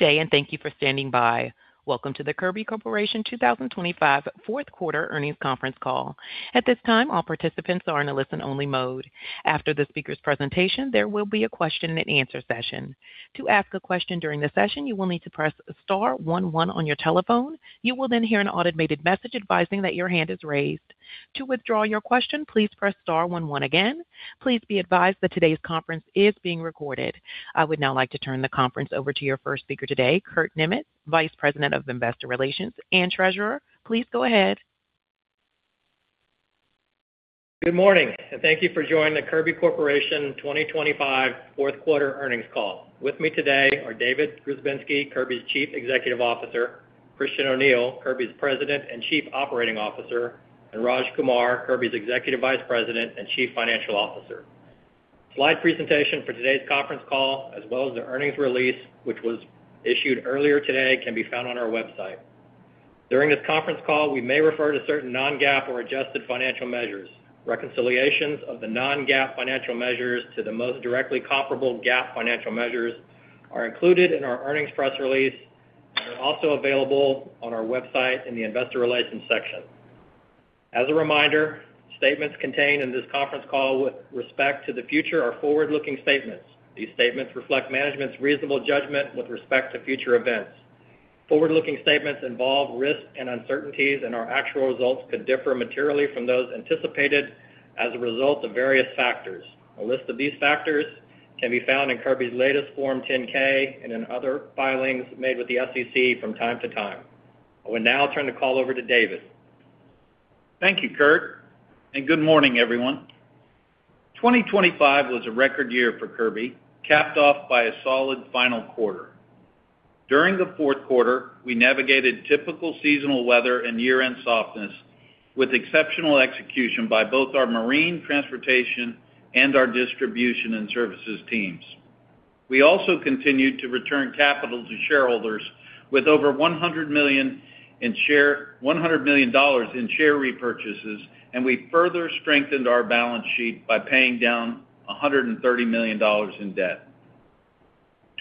Today, and thank you for standing by. Welcome to the Kirby Corporation 2025 fourth quarter earnings conference call. At this time, all participants are in a listen-only mode. After the speaker's presentation, there will be a question-and-answer session. To ask a question during the session, you will need to press star one one on your telephone. You will then hear an automated message advising that your hand is raised. To withdraw your question, please press star one one again. Please be advised that today's conference is being recorded. I would now like to turn the conference over to your first speaker today, Kurt Niemietz, Vice President of Investor Relations and Treasurer. Please go ahead. Good morning, and thank you for joining the Kirby Corporation 2025 fourth quarter earnings call. With me today are David Grzebinski, Kirby's Chief Executive Officer, Christian O'Neil, Kirby's President and Chief Operating Officer, and Raj Kumar, Kirby's Executive Vice President and Chief Financial Officer. Slide presentation for today's conference call, as well as the earnings release, which was issued earlier today, can be found on our website. During this conference call, we may refer to certain non-GAAP or adjusted financial measures. Reconciliations of the non-GAAP financial measures to the most directly comparable GAAP financial measures are included in our earnings press release and are also available on our website in the Investor Relations section. As a reminder, statements contained in this conference call with respect to the future are forward-looking statements. These statements reflect management's reasonable judgment with respect to future events. Forward-looking statements involve risks and uncertainties, and our actual results could differ materially from those anticipated as a result of various factors. A list of these factors can be found in Kirby's latest Form 10-K and in other filings made with the SEC from time to time. I will now turn the call over to David. Thank you, Kurt, and good morning, everyone. 2025 was a record year for Kirby, capped off by a solid final quarter. During the fourth quarter, we navigated typical seasonal weather and year-end softness with exceptional execution by both our Marine Transportation and our Distribution and Services teams. We also continued to return capital to shareholders with over $100 million in share repurchases, and we further strengthened our balance sheet by paying down $130 million in debt.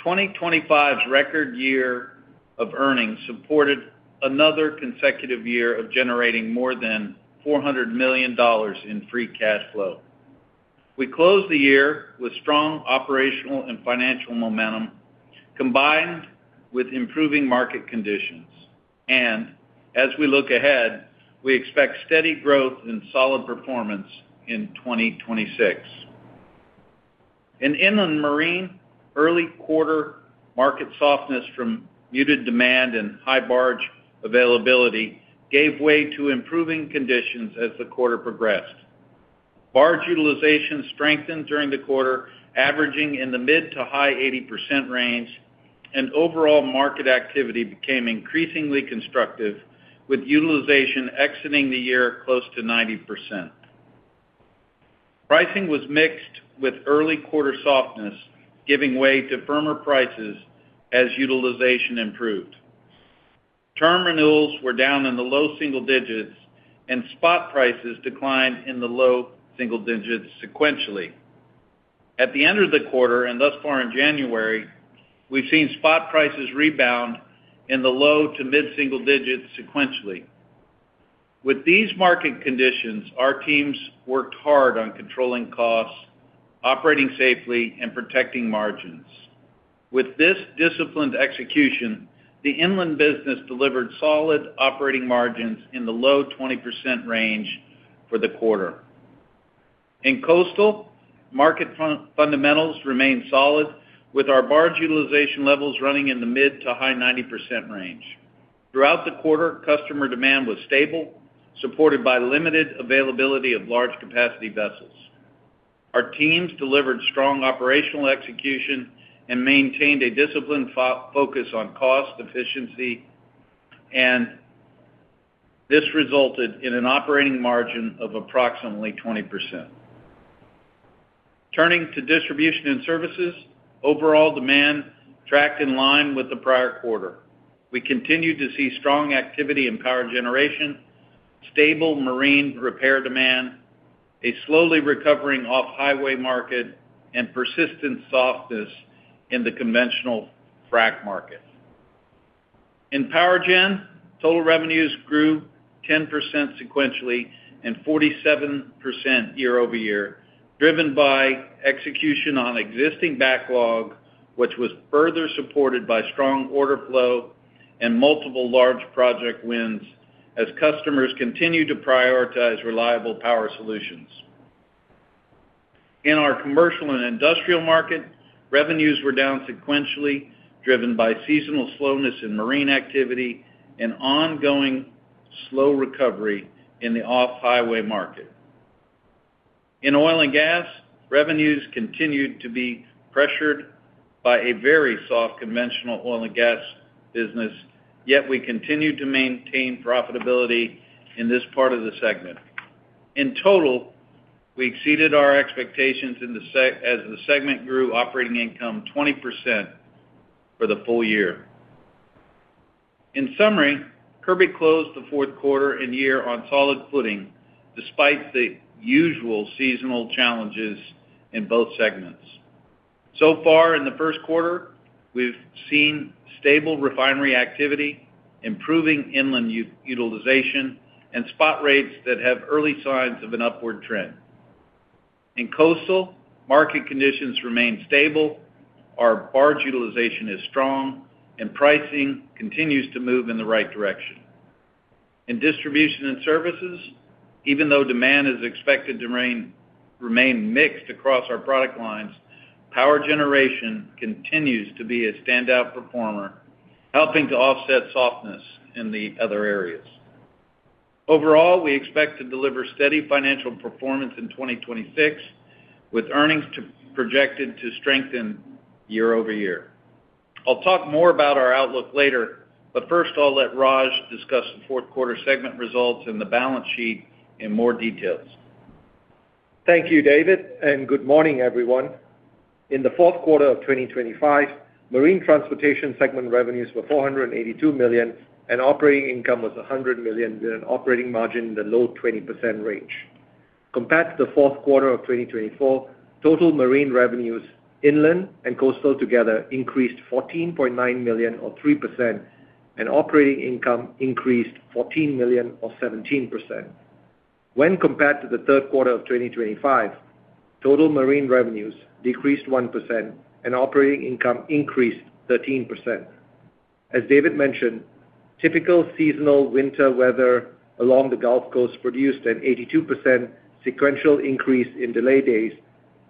2025's record year of earnings supported another consecutive year of generating more than $400 million in free cash flow. We closed the year with strong operational and financial momentum, combined with improving market conditions, and as we look ahead, we expect steady growth and solid performance in 2026. In Inland Marine, early quarter market softness from muted demand and high barge availability gave way to improving conditions as the quarter progressed. Barge utilization strengthened during the quarter, averaging in the mid- to high-80% range, and overall market activity became increasingly constructive, with utilization exiting the year close to 90%. Pricing was mixed, with early quarter softness giving way to firmer prices as utilization improved. Term renewals were down in the low single digits, and spot prices declined in the low single digits sequentially. At the end of the quarter, and thus far in January, we've seen spot prices rebound in the low- to mid-single digits sequentially. With these market conditions, our teams worked hard on controlling costs, operating safely, and protecting margins. With this disciplined execution, the inland business delivered solid operating margins in the low-20% range for the quarter. In Coastal Marine, market fundamentals remained solid, with our barge utilization levels running in the mid- to high-90% range. Throughout the quarter, customer demand was stable, supported by limited availability of large capacity vessels. Our teams delivered strong operational execution and maintained a disciplined focus on cost efficiency, and this resulted in an operating margin of approximately 20%. Turning to Distribution and Services, overall demand tracked in line with the prior quarter. We continued to see strong activity in power generation, stable marine repair demand, a slowly recovering off-highway market, and persistent softness in the conventional frac market. In power gen, total revenues grew 10% sequentially and 47% year-over-year, driven by execution on existing backlog, which was further supported by strong order flow and multiple large project wins as customers continued to prioritize reliable power solutions. In our commercial and industrial market, revenues were down sequentially, driven by seasonal slowness in marine activity and ongoing slow recovery in the off-highway market. In oil and gas, revenues continued to be pressured by a very soft, conventional oil and gas business, yet we continued to maintain profitability in this part of the segment. In total, we exceeded our expectations in the segment as the segment grew operating income 20% for the full year. In summary, Kirby closed the fourth quarter and year on solid footing, despite the usual seasonal challenges in both segments. So far in the first quarter, we've seen stable refinery activity, improving inland utilization, and spot rates that have early signs of an upward trend. In coastal, market conditions remain stable, our barge utilization is strong, and pricing continues to move in the right direction. In Distribution and Services, even though demand is expected to remain mixed across our product lines, power generation continues to be a standout performer, helping to offset softness in the other areas. Overall, we expect to deliver steady financial performance in 2026, with earnings projected to strengthen year-over-year. I'll talk more about our outlook later, but first, I'll let Raj discuss the fourth quarter segment results and the balance sheet in more details. Thank you, David, and good morning, everyone. In the fourth quarter of 2025, Marine Transportation segment revenues were $482 million, and operating income was $100 million, with an operating margin in the low 20% range. Compared to the fourth quarter of 2024, total marine revenues, inland and coastal together, increased $14.9 million or 3%, and operating income increased $14 million or 17%. When compared to the third quarter of 2025, total marine revenues decreased 1%, and operating income increased 13%. As David mentioned, typical seasonal winter weather along the Gulf Coast produced an 82% sequential increase in delay days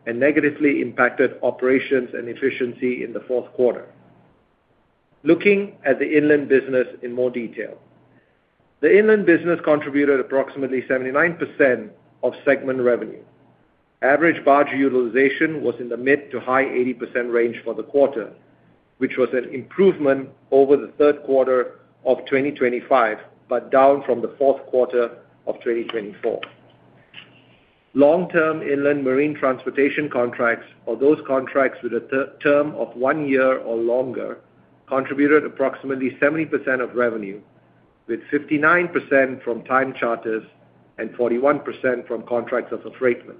and negatively impacted operations and efficiency in the fourth quarter. Looking at the inland business in more detail. The inland business contributed approximately 79% of segment revenue. Average barge utilization was in the mid- to high 80% range for the quarter, which was an improvement over the third quarter of 2025, but down from the fourth quarter of 2024. Long-term Inland Marine Transportation contracts, or those contracts with a term of 1 year or longer, contributed approximately 70% of revenue, with 59% from time charters and 41% from contracts of affreightment.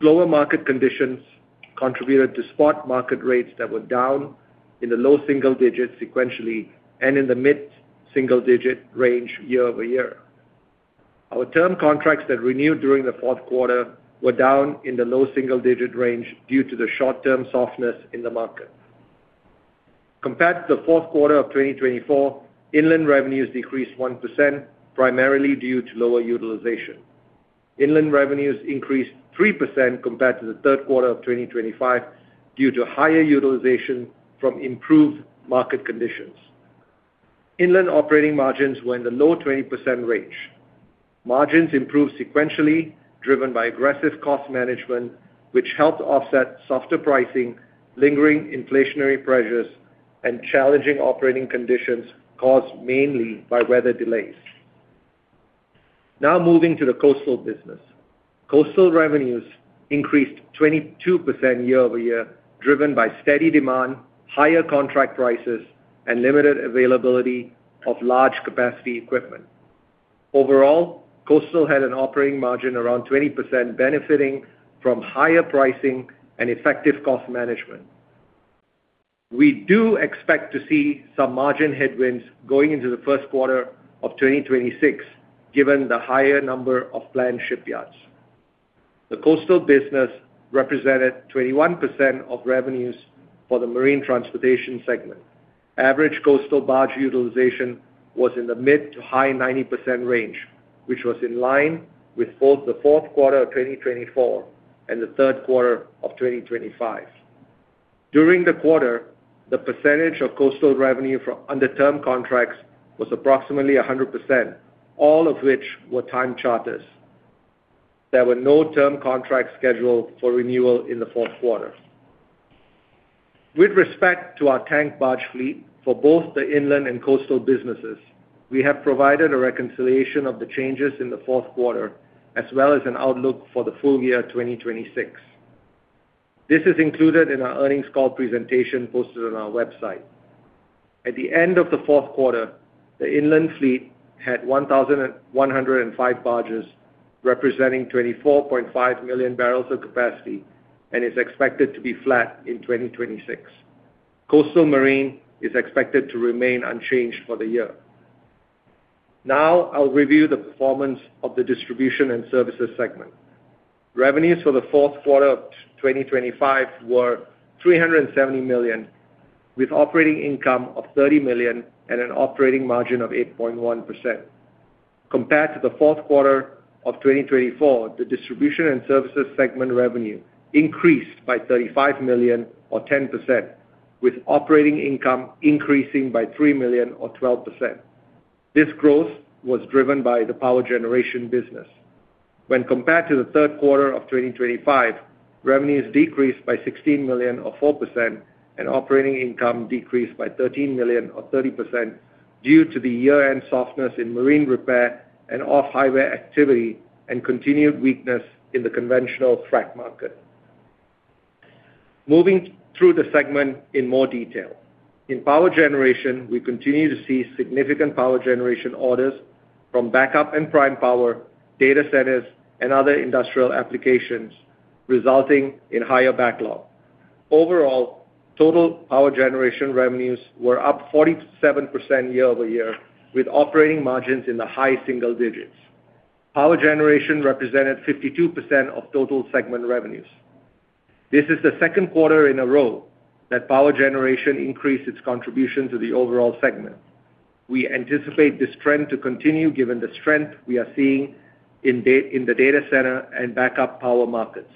Lower market conditions contributed to spot market rates that were down in the low single digits sequentially and in the mid-single-digit range year over year. Our term contracts that renewed during the fourth quarter were down in the low single-digit range due to the short-term softness in the market. Compared to the fourth quarter of 2024, inland revenues decreased 1%, primarily due to lower utilization. Inland revenues increased 3% compared to the third quarter of 2025 due to higher utilization from improved market conditions. Inland operating margins were in the low 20% range. Margins improved sequentially, driven by aggressive cost management, which helped offset softer pricing, lingering inflationary pressures, and challenging operating conditions caused mainly by weather delays. Now moving to the coastal business. Coastal revenues increased 22% year-over-year, driven by steady demand, higher contract prices, and limited availability of large capacity equipment. Overall, coastal had an operating margin around 20%, benefiting from higher pricing and effective cost management. We do expect to see some margin headwinds going into the first quarter of 2026, given the higher number of planned shipyards. The coastal business represented 21% of revenues for the Marine Transportation segment. Average coastal barge utilization was in the mid- to high-90% range, which was in line with both the fourth quarter of 2024 and the third quarter of 2025. During the quarter, the percentage of coastal revenue from under term contracts was approximately 100%, all of which were time charters. There were no term contracts scheduled for renewal in the fourth quarter. With respect to our tank barge fleet, for both the inland and coastal businesses, we have provided a reconciliation of the changes in the fourth quarter, as well as an outlook for the full year 2026. This is included in our earnings call presentation posted on our website. At the end of the fourth quarter, the inland fleet had 1,105 barges, representing 24.5 million barrels of capacity, and is expected to be flat in 2026. Coastal Marine is expected to remain unchanged for the year. Now, I'll review the performance of the Distribution and Services segment. Revenues for the fourth quarter of 2025 were $370 million, with operating income of $30 million and an operating margin of 8.1%. Compared to the fourth quarter of 2024, the Distribution and Services segment revenue increased by $35 million or 10%, with operating income increasing by $3 million or 12%. This growth was driven by the power generation business. When compared to the third quarter of 2025, revenues decreased by $16 million or 4%, and operating income decreased by $13 million or 30% due to the year-end softness in marine repair and off-highway activity and continued weakness in the conventional frac market. Moving through the segment in more detail. In power generation, we continue to see significant power generation orders from backup and prime power, data centers, and other industrial applications, resulting in higher backlog. Overall, total power generation revenues were up 47% year-over-year, with operating margins in the high single digits. Power generation represented 52% of total segment revenues. This is the second quarter in a row that power generation increased its contribution to the overall segment. We anticipate this trend to continue, given the strength we are seeing in the data center and backup power markets.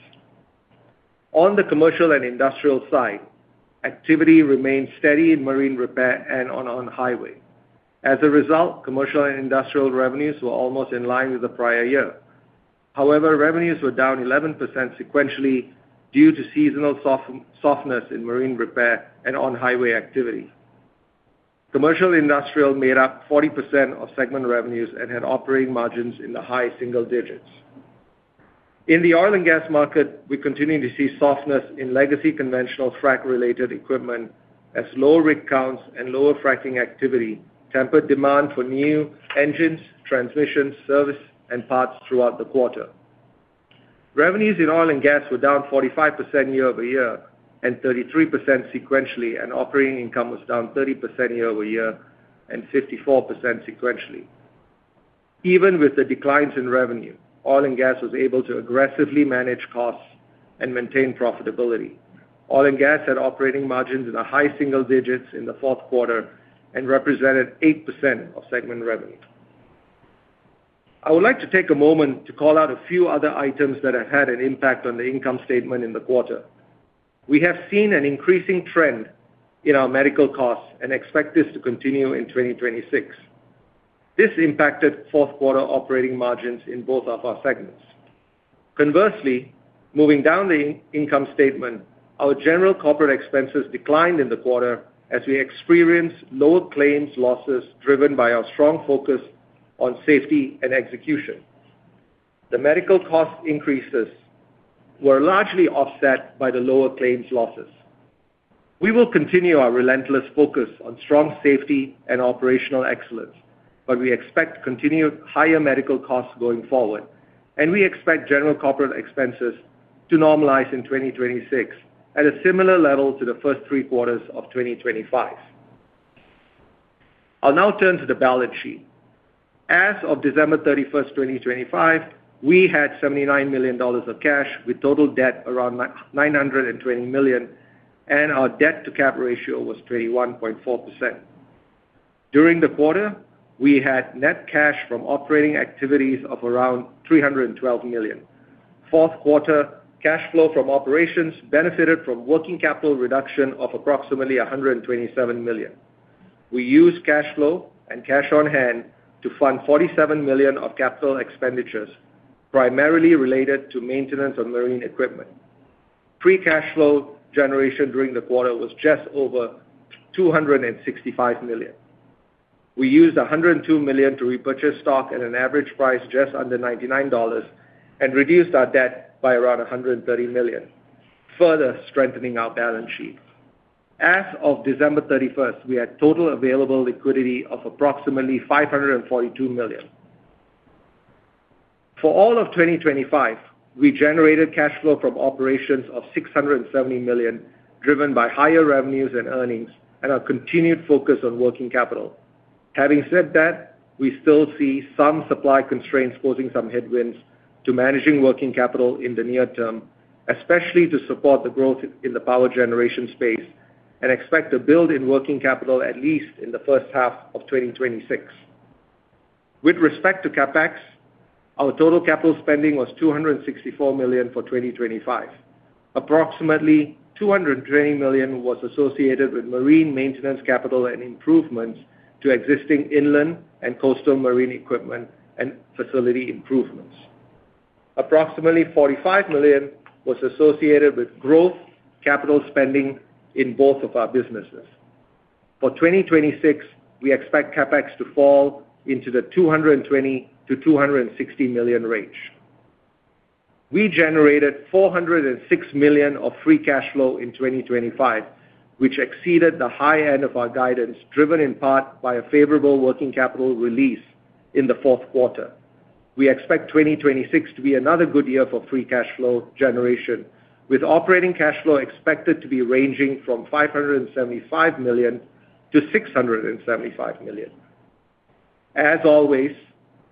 On the commercial and industrial side, activity remained steady in marine repair and on-highway. As a result, commercial and industrial revenues were almost in line with the prior year. However, revenues were down 11% sequentially due to seasonal softness in marine repair and on-highway activity. Commercial and industrial made up 40% of segment revenues and had operating margins in the high single digits. In the oil and gas market, we continue to see softness in legacy conventional frac-related equipment as lower rig counts and lower fracking activity tempered demand for new engines, transmissions, service, and parts throughout the quarter. Revenues in oil and gas were down 45% year-over-year and 33% sequentially, and operating income was down 30% year-over-year and 54% sequentially. Even with the declines in revenue, oil and gas was able to aggressively manage costs and maintain profitability. Oil and gas had operating margins in the high single digits in the fourth quarter and represented 8% of segment revenue. I would like to take a moment to call out a few other items that have had an impact on the income statement in the quarter. We have seen an increasing trend in our medical costs and expect this to continue in 2026. This impacted fourth quarter operating margins in both of our segments. Conversely, moving down the income statement, our general corporate expenses declined in the quarter as we experienced lower claims losses, driven by our strong focus on safety and execution. The medical cost increases were largely offset by the lower claims losses. We will continue our relentless focus on strong safety and operational excellence, but we expect continued higher medical costs going forward, and we expect general corporate expenses to normalize in 2026 at a similar level to the first three quarters of 2025. I'll now turn to the balance sheet. As of December 31, 2025, we had $79 million of cash, with total debt around $920 million, and our debt-to-cap ratio was 21.4%. During the quarter, we had net cash from operating activities of around $312 million. Fourth quarter cash flow from operations benefited from working capital reduction of approximately $127 million. We used cash flow and cash on hand to fund $47 million of capital expenditures, primarily related to maintenance of marine equipment. cash flow generation during the quarter was just over $265 million. We used $102 million to repurchase stock at an average price just under $99 and reduced our debt by around $130 million, further strengthening our balance sheet. As of December 31, we had total available liquidity of approximately $542 million. For all of 2025, we generated cash flow from operations of $670 million, driven by higher revenues and earnings and our continued focus on working capital. Having said that, we still see some supply constraints causing some headwinds to managing working capital in the near term, especially to support the growth in the power generation space, and expect a build in working capital at least in the first half of 2026. With respect to CapEx, our total capital spending was $264 million for 2025. Approximately $220 million was associated with marine maintenance, capital, and improvements to existing inland and Coastal Marine equipment and facility improvements. Approximately $45 million was associated with growth capital spending in both of our businesses. For 2026, we expect CapEx to fall into the $220 million-$260 million range. We generated $406 million of free cash flow in 2025, which exceeded the high end of our guidance, driven in part by a favorable working capital release in the fourth quarter. We expect 2026 to be another good year for free cash flow generation, with operating cash flow expected to be ranging from $575 million to $675 million. As always,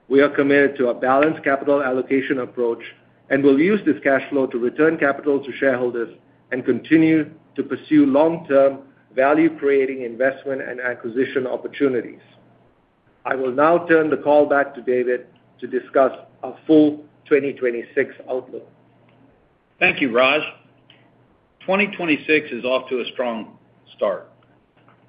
we are committed to a balanced capital allocation approach and will use this cash flow to return capital to shareholders and continue to pursue long-term, value-creating investment and acquisition opportunities. I will now turn the call back to David to discuss our full 2026 outlook. Thank you, Raj. 2026 is off to a strong start.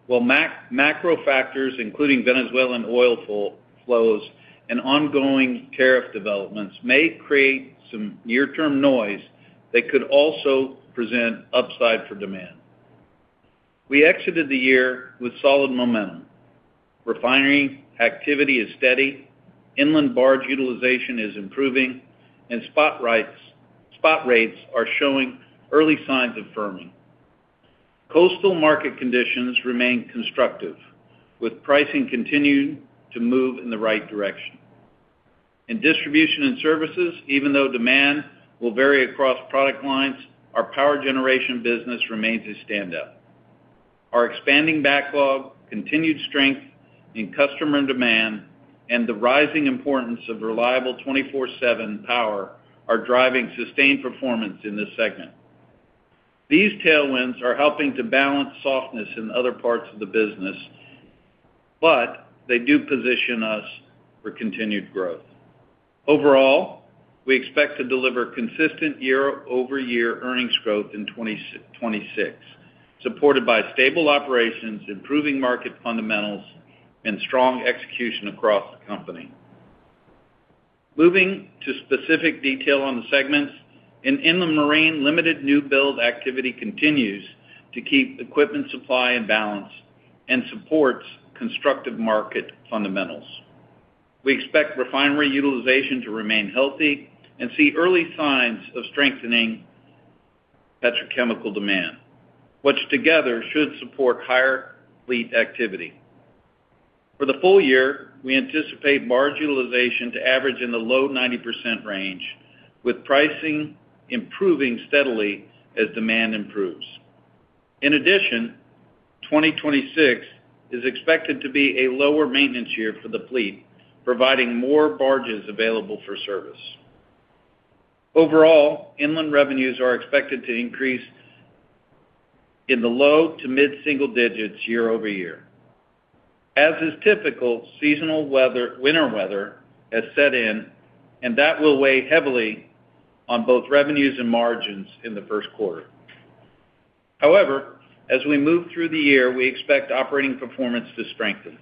While macro factors, including Venezuelan oil flows and ongoing tariff developments, may create some near-term noise, they could also present upside for demand. We exited the year with solid momentum. Refinery activity is steady, inland barge utilization is improving, and spot rates are showing early signs of firming. Coastal market conditions remain constructive, with pricing continuing to move in the right direction. In Distribution and Services, even though demand will vary across product lines, our power generation business remains a standout. Our expanding backlog, continued strength in customer demand, and the rising importance of reliable 24/7 power are driving sustained performance in this segment. These tailwinds are helping to balance softness in other parts of the business, but they do position us for continued growth. Overall, we expect to deliver consistent year-over-year earnings growth in 2026, supported by stable operations, improving market fundamentals, and strong execution across the company. Moving to specific detail on the segments, in Inland Marine, limited new build activity continues to keep equipment supply in balance and supports constructive market fundamentals. We expect refinery utilization to remain healthy and see early signs of strengthening petrochemical demand, which together should support higher fleet activity. For the full year, we anticipate barge utilization to average in the low 90% range, with pricing improving steadily as demand improves. In addition, 2026 is expected to be a lower maintenance year for the fleet, providing more barges available for service. Overall, inland revenues are expected to increase in the low to mid-single digits year-over-year. As is typical, seasonal weather, winter weather has set in, and that will weigh heavily on both revenues and margins in the first quarter. However, as we move through the year, we expect operating performance to strengthen.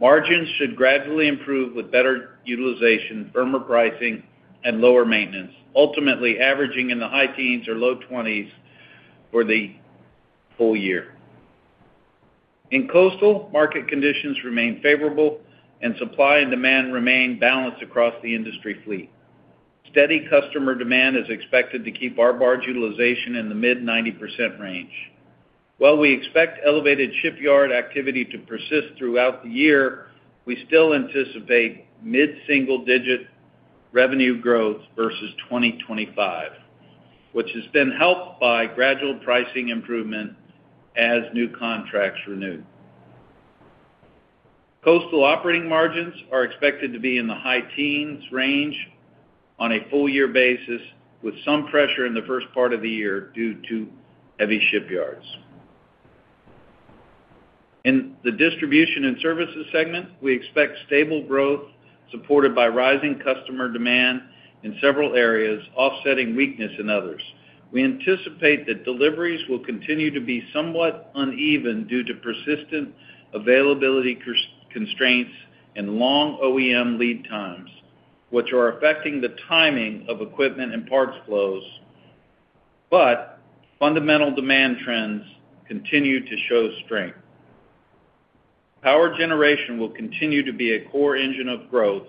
Margins should gradually improve with better utilization, firmer pricing, and lower maintenance, ultimately averaging in the high teens or low twenties for the full year. In coastal, market conditions remain favorable, and supply and demand remain balanced across the industry fleet. Steady customer demand is expected to keep our barge utilization in the mid-90% range. While we expect elevated shipyard activity to persist throughout the year, we still anticipate mid-single-digit revenue growth versus 2025, which has been helped by gradual pricing improvement as new contracts renew. Coastal operating margins are expected to be in the high teens range on a full year basis, with some pressure in the first part of the year due to heavy shipyards. In the Distribution and Services segment, we expect stable growth supported by rising customer demand in several areas, offsetting weakness in others. We anticipate that deliveries will continue to be somewhat uneven due to persistent availability constraints and long OEM lead times, which are affecting the timing of equipment and parts flows, but fundamental demand trends continue to show strength. Power generation will continue to be a core engine of growth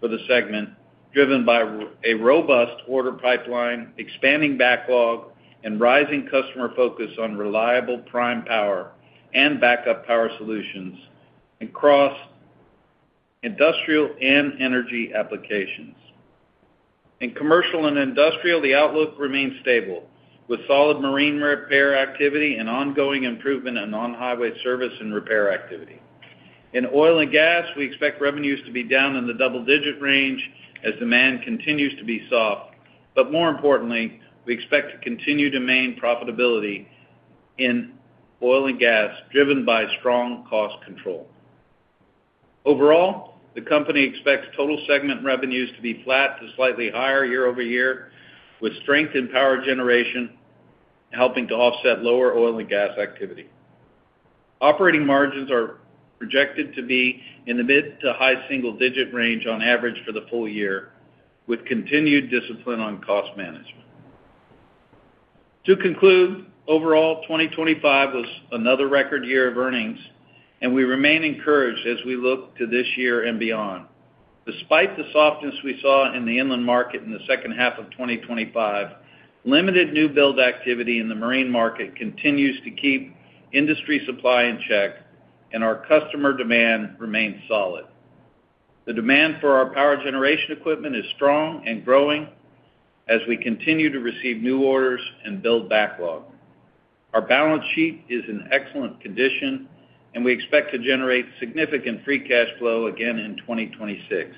for the segment, driven by a robust order pipeline, expanding backlog, and rising customer focus on reliable prime power and backup power solutions across industrial and energy applications. In commercial and industrial, the outlook remains stable, with solid marine repair activity and ongoing improvement in on-highway service and repair activity. In oil and gas, we expect revenues to be down in the double-digit range as demand continues to be soft, but more importantly, we expect to continue to maintain profitability in oil and gas, driven by strong cost control. Overall, the company expects total segment revenues to be flat to slightly higher year-over-year, with strength in power generation helping to offset lower oil and gas activity. Operating margins are projected to be in the mid to high single-digit range on average for the full year, with continued discipline on cost management. To conclude, overall, 2025 was another record year of earnings, and we remain encouraged as we look to this year and beyond. Despite the softness we saw in the inland market in the second half of 2025, limited new build activity in the marine market continues to keep industry supply in check, and our customer demand remains solid. The demand for our power generation equipment is strong and growing as we continue to receive new orders and build backlog. Our balance sheet is in excellent condition, and we expect to generate significant free cash flow again in 2026.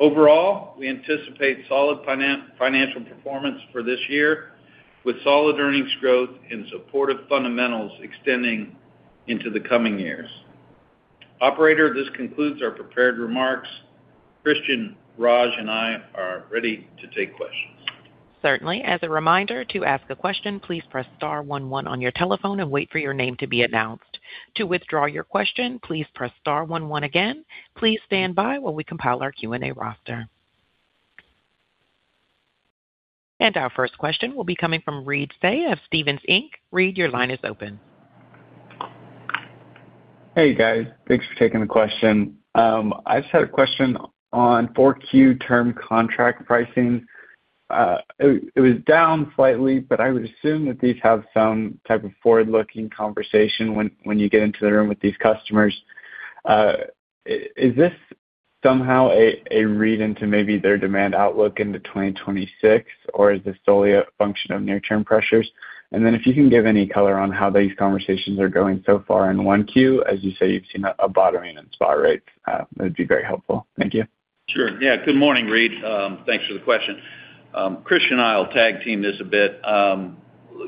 Overall, we anticipate solid financial performance for this year, with solid earnings growth and supportive fundamentals extending into the coming years. Operator, this concludes our prepared remarks. Christian, Raj, and I are ready to take questions. Certainly. As a reminder, to ask a question, please press star one one on your telephone and wait for your name to be announced. To withdraw your question, please press star one one again. Please stand by while we compile our Q&A roster.... Our first question will be coming from Reed Seay of Stephens Inc. Reed, your line is open. Hey, guys. Thanks for taking the question. I just had a question on 4Q term contract pricing. It was down slightly, but I would assume that these have some type of forward-looking conversation when you get into the room with these customers. Is this somehow a read into maybe their demand outlook into 2026, or is this solely a function of near-term pressures? And then if you can give any color on how these conversations are going so far in 1Q, as you say, you've seen a bottoming in spot rates, that'd be very helpful. Thank you. Sure. Yeah. Good morning, Reed. Thanks for the question. Christian and I will tag team this a bit.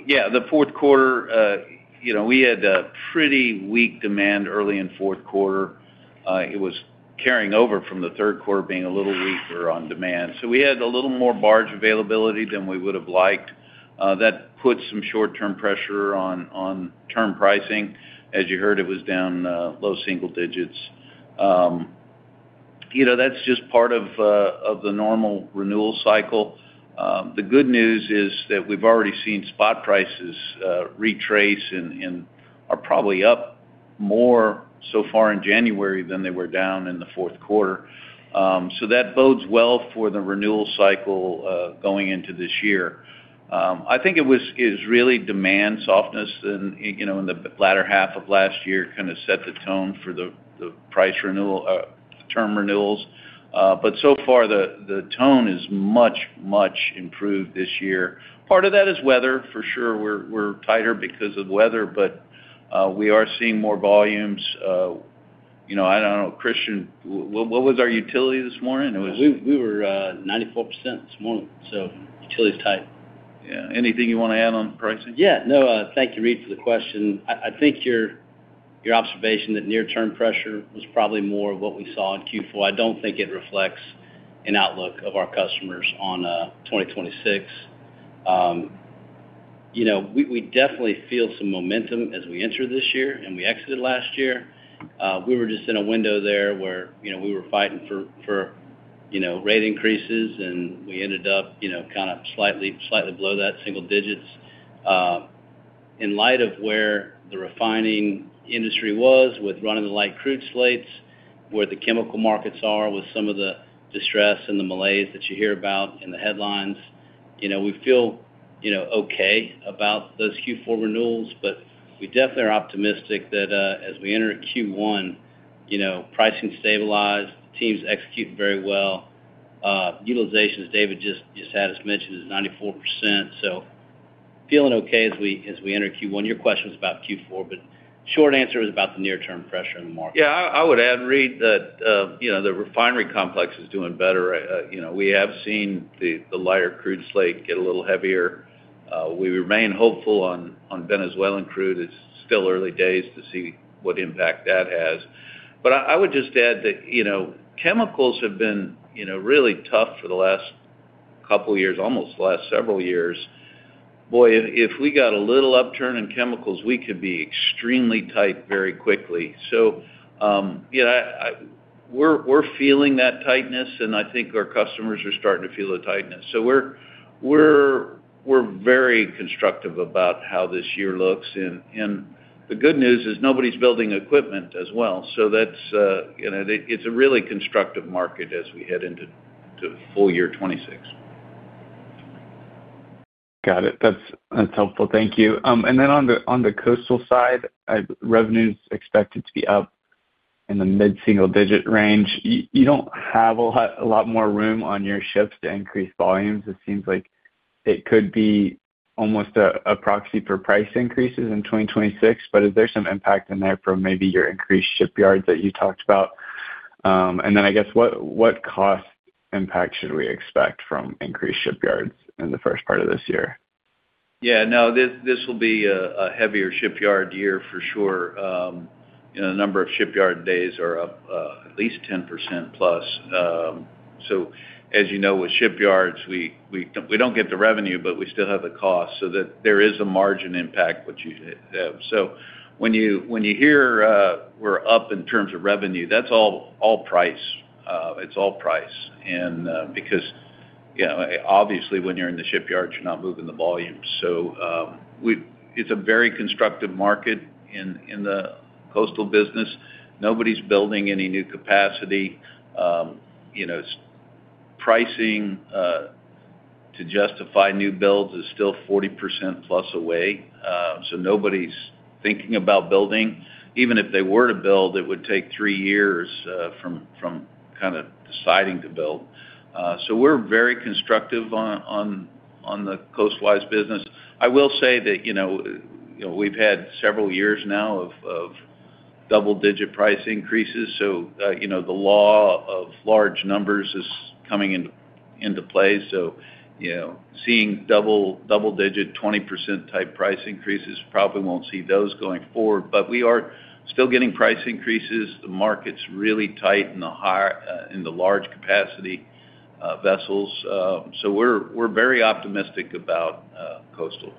Yeah, the fourth quarter, you know, we had a pretty weak demand early in fourth quarter. It was carrying over from the third quarter being a little weaker on demand. So we had a little more barge availability than we would have liked. That put some short-term pressure on term pricing. As you heard, it was down low single digits. You know, that's just part of the normal renewal cycle. The good news is that we've already seen spot prices retrace and are probably up more so far in January than they were down in the fourth quarter. So that bodes well for the renewal cycle going into this year. I think it is really demand softness and, you know, in the latter half of last year, kind of set the tone for the price renewal, term renewals. But so far, the tone is much, much improved this year. Part of that is weather, for sure. We're tighter because of weather, but we are seeing more volumes. You know, I don't know, Christian, what was our utility this morning? It was- We were 94% this morning, so utility is tight. Yeah. Anything you want to add on pricing? Yeah. No, thank you, Reed, for the question. I think your observation that near-term pressure was probably more of what we saw in Q4. I don't think it reflects an outlook of our customers on 2026. You know, we definitely feel some momentum as we enter this year and we exited last year. We were just in a window there where, you know, we were fighting for rate increases, and we ended up, you know, kind of slightly below that single digits. In light of where the refining industry was with running the light crude slates, where the chemical markets are with some of the distress and the malaise that you hear about in the headlines, you know, we feel, you know, okay about those Q4 renewals, but we definitely are optimistic that, as we enter Q1, you know, pricing stabilized, teams executing very well. Utilization, as David just had us mention, is 94%. So feeling okay as we, as we enter Q1. Your question was about Q4, but short answer is about the near-term pressure in the market. Yeah, I would add, Reed, that, you know, the refinery complex is doing better. You know, we have seen the lighter crude slate get a little heavier. We remain hopeful on Venezuelan crude. It's still early days to see what impact that has. But I would just add that, you know, chemicals have been, you know, really tough for the last couple of years, almost last several years. Boy, if we got a little upturn in chemicals, we could be extremely tight very quickly. So, yeah, we're feeling that tightness, and I think our customers are starting to feel the tightness. So we're very constructive about how this year looks. And the good news is nobody's building equipment as well. That's, you know, it's a really constructive market as we head into full year 2026. Got it. That's, that's helpful. Thank you. And then on the coastal side, revenue's expected to be up in the mid-single-digit range. You don't have a lot more room on your ships to increase volumes. It seems like it could be almost a proxy for price increases in 2026, but is there some impact in there from maybe your increased shipyards that you talked about? And then I guess, what cost impact should we expect from increased shipyards in the first part of this year? Yeah, no, this will be a heavier shipyard year for sure. You know, the number of shipyard days are up at least 10% plus. So, as you know, with shipyards, we don't get the revenue, but we still have the cost, so that there is a margin impact, which you. So when you hear, we're up in terms of revenue, that's all price. It's all price. And because, you know, obviously, when you're in the shipyard, you're not moving the volume. So, it's a very constructive market in the coastal business. Nobody's building any new capacity. You know, pricing to justify new builds is still 40% plus away, so nobody's thinking about building. Even if they were to build, it would take three years from kind of deciding to build. So we're very constructive on the coast-wise business. I will say that, you know, we've had several years now of double-digit price increases, so you know, the law of large numbers is coming into play. So you know, seeing double-digit, 20% type price increases, probably won't see those going forward. But we are still getting price increases. The market's really tight in the high, in the large capacity vessels. So we're very optimistic about coastal.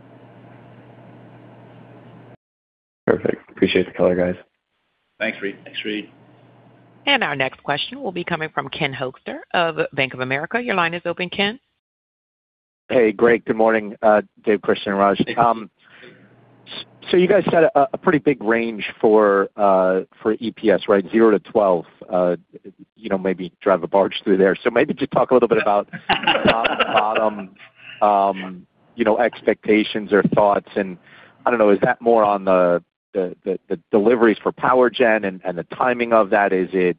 ...Perfect. Appreciate the color, guys. Thanks, Reed. Thanks, Reed. Our next question will be coming from Ken Hoexter of Bank of America. Your line is open, Ken. Hey, Greg. Good morning, Dave, Christian, and Raj. So you guys set a pretty big range for EPS, right? $0-$12. You know, maybe drive a barge through there. So maybe just talk a little bit about bottom, you know, expectations or thoughts, and I don't know, is that more on the deliveries for power gen and the timing of that? Is it,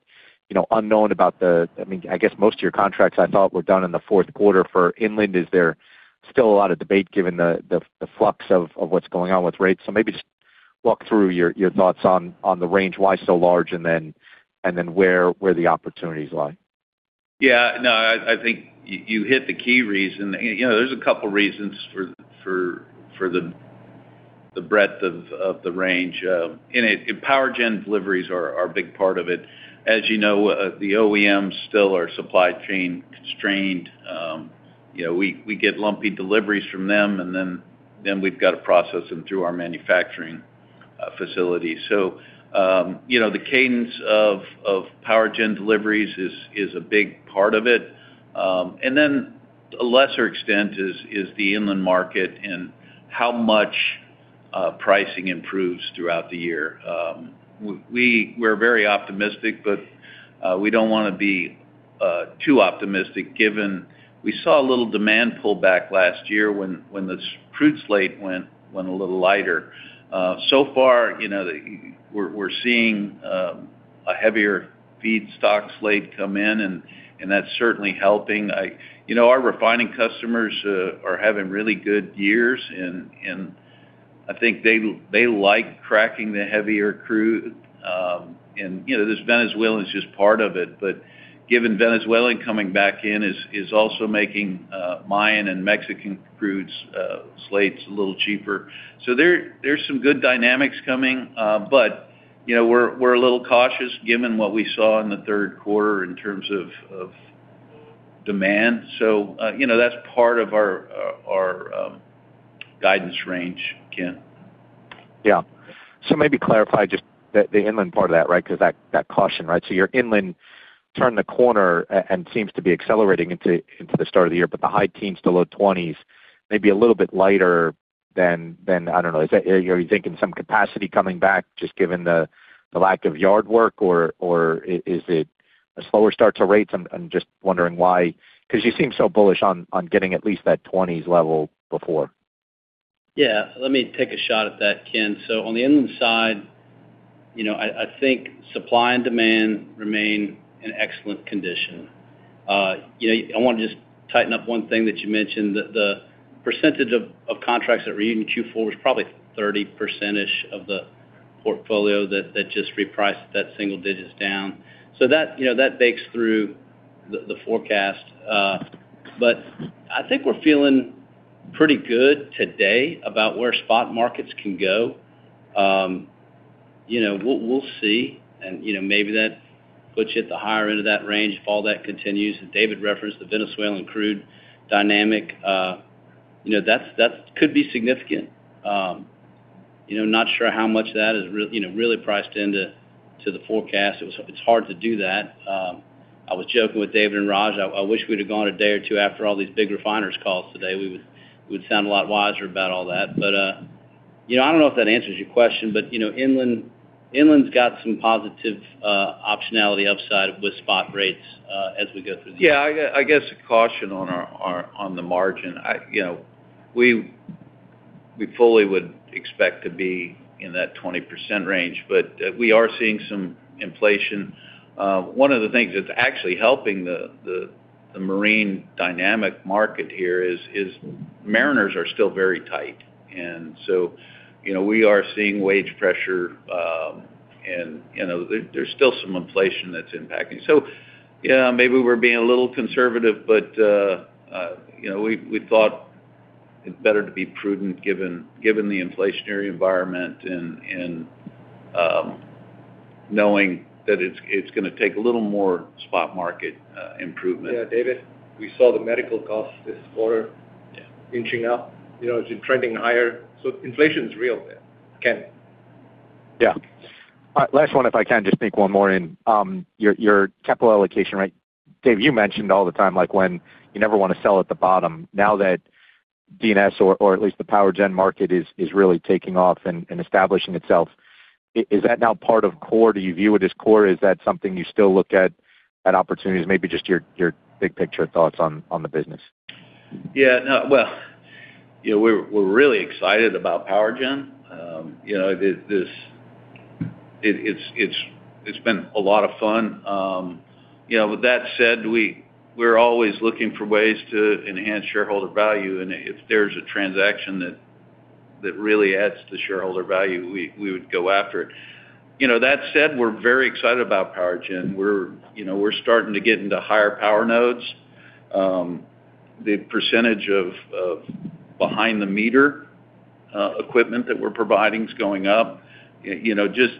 you know, unknown about the—I mean, I guess, most of your contracts, I thought, were done in the fourth quarter for inland. Is there still a lot of debate given the flux of what's going on with rates? So maybe just walk through your thoughts on the range, why so large, and then where the opportunities lie. Yeah, no, I think you hit the key reason. You know, there's a couple reasons for the breadth of the range, and power gen deliveries are a big part of it. As you know, the OEMs still are supply chain constrained. You know, we get lumpy deliveries from them, and then we've got to process them through our manufacturing facility. So, you know, the cadence of power gen deliveries is a big part of it. And then a lesser extent is the inland market and how much pricing improves throughout the year. We're very optimistic, but we don't want to be too optimistic, given we saw a little demand pullback last year when the crude slate went a little lighter. So far, you know, we're seeing a heavier feedstock slate come in, and that's certainly helping. You know, our refining customers are having really good years, and I think they like cracking the heavier crude, and you know, this Venezuelan is just part of it. But given Venezuelan coming back in, is also making Mayan and Mexican crude slates a little cheaper. So there's some good dynamics coming, but you know, we're a little cautious, given what we saw in the third quarter in terms of demand. So you know, that's part of our guidance range, Ken. Yeah. So maybe clarify just the inland part of that, right? Because that caution, right? So your inland turned the corner and seems to be accelerating into the start of the year, but the high teens to low twenties, maybe a little bit lighter than... I don't know. Is that are you thinking some capacity coming back, just given the lack of yard work, or is it a slower start to rates? I'm just wondering why, because you seem so bullish on getting at least that twenties level before. Yeah, let me take a shot at that, Ken. So on the inland side, you know, I think supply and demand remain in excellent condition. You know, I want to just tighten up one thing that you mentioned. The percentage of contracts that were in Q4 was probably 30%-ish of the portfolio that just repriced that single digits down. So that, you know, that bakes through the forecast. But I think we're feeling pretty good today about where spot markets can go. You know, we'll see, and, you know, maybe that puts you at the higher end of that range if all that continues. David referenced the Venezuelan crude dynamic. You know, that's that could be significant. You know, not sure how much of that is really priced into the forecast. It's, it's hard to do that. I was joking with David and Raj. I wish we'd have gone a day or two after all these big refiners calls today. We would, we would sound a lot wiser about all that. But, you know, I don't know if that answers your question, but, you know, inland, inland's got some positive optionality upside with spot rates, as we go through the year. Yeah, I guess a caution on our margin. You know, we fully would expect to be in that 20% range, but we are seeing some inflation. One of the things that's actually helping the marine dynamic market here is mariners are still very tight, and so, you know, we are seeing wage pressure. And, you know, there's still some inflation that's impacting. So yeah, maybe we're being a little conservative, but, you know, we thought it's better to be prudent given the inflationary environment and, knowing that it's gonna take a little more spot market improvement. Yeah, David, we saw the medical costs this quarter- Yeah. - inching up, you know, trending higher, so inflation's real, Ken. Yeah. Last one, if I can just sneak one more in. Your capital allocation, right? Dave, you mentioned all the time, like, when you never want to sell at the bottom. Now that D&S or, or at least the power gen market is really taking off and establishing itself, is that now part of core? Do you view it as core, or is that something you still look at opportunities? Maybe just your big picture thoughts on the business. Yeah, no. Well, you know, we're really excited about power gen. You know, it's been a lot of fun. You know, with that said, we're always looking for ways to enhance shareholder value, and if there's a transaction that really adds to the shareholder value, we would go after it. You know, that said, we're very excited about power gen. We're, you know, we're starting to get into higher power nodes. The percentage of behind-the-meter equipment that we're providing is going up. You know, just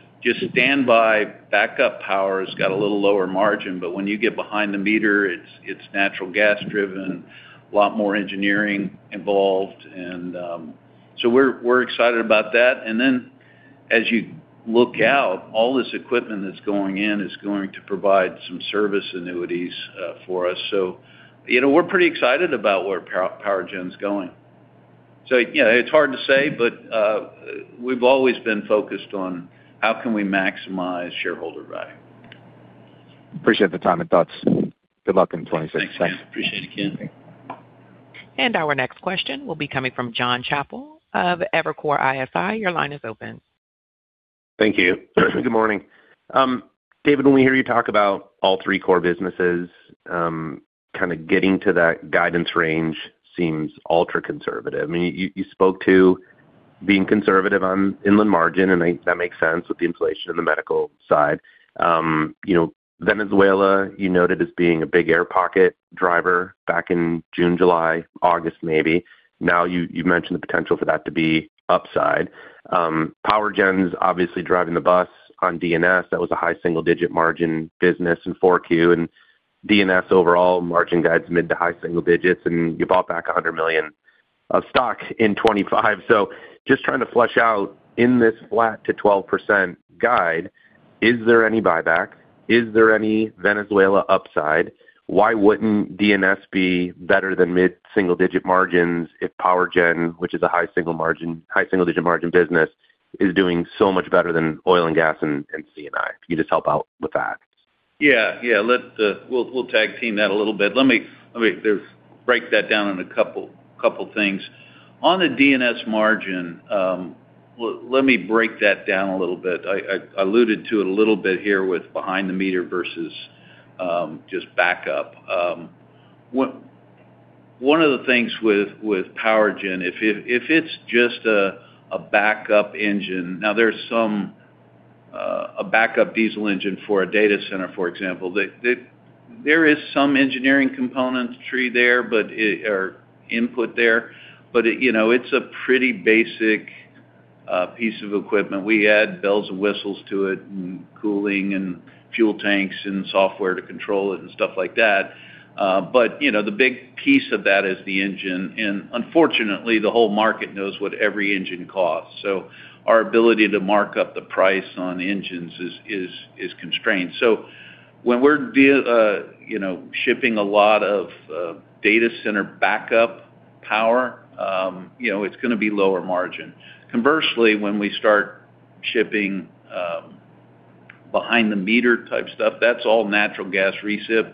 standby backup power has got a little lower margin, but when you get behind the meter, it's natural gas-driven, a lot more engineering involved and so we're excited about that. And then... As you look out, all this equipment that's going in is going to provide some service annuities for us. So, you know, we're pretty excited about where power gen's going. So, you know, it's hard to say, but we've always been focused on how can we maximize shareholder value. Appreciate the time and thoughts. Good luck in 2026. Thanks, man. Appreciate it, again. Our next question will be coming from Jonathan Chappell of Evercore ISI. Your line is open. Thank you. Good morning. David, when we hear you talk about all three core businesses, kind of getting to that guidance range seems ultra-conservative. I mean, you, you spoke to being conservative on inland margin, and that makes sense with the inflation in the medical side. You know, Venezuela, you noted as being a big air pocket driver back in June, July, August, maybe. Now, you, you mentioned the potential for that to be upside. Power gen's obviously driving the bus on D&S. That was a high single-digit margin business in Q4. And D&S, overall, margin guides mid- to high-single digits, and you bought back $100 million of stock in 2025. So just trying to flesh out, in this flat to 12% guide, is there any buyback? Is there any Venezuela upside? Why wouldn't D&S be better than mid-single-digit margins if power gen, which is a high single margin, high single-digit margin business, is doing so much better than oil and gas and C&I? Can you just help out with that? Yeah, yeah. Let's we'll tag-team that a little bit. Let me let me just break that down in a couple couple things. On the D&S margin, let let me break that down a little bit. I I alluded to it a little bit here with behind the meter versus just backup. One one of the things with with power gen, if it if it's just a a backup engine. Now, there's some a backup diesel engine for a data center, for example, that that there is some engineering componentry there, but it or input there, but it, you know, it's a pretty basic piece of equipment. We add bells and whistles to it, and cooling, and fuel tanks, and software to control it, and stuff like that, but, you know, the big piece of that is the engine. And unfortunately, the whole market knows what every engine costs, so our ability to mark up the price on engines is constrained. So when we're shipping a lot of data center backup power, you know, it's gonna be lower margin. Conversely, when we start shipping behind the meter type stuff, that's all natural gas recip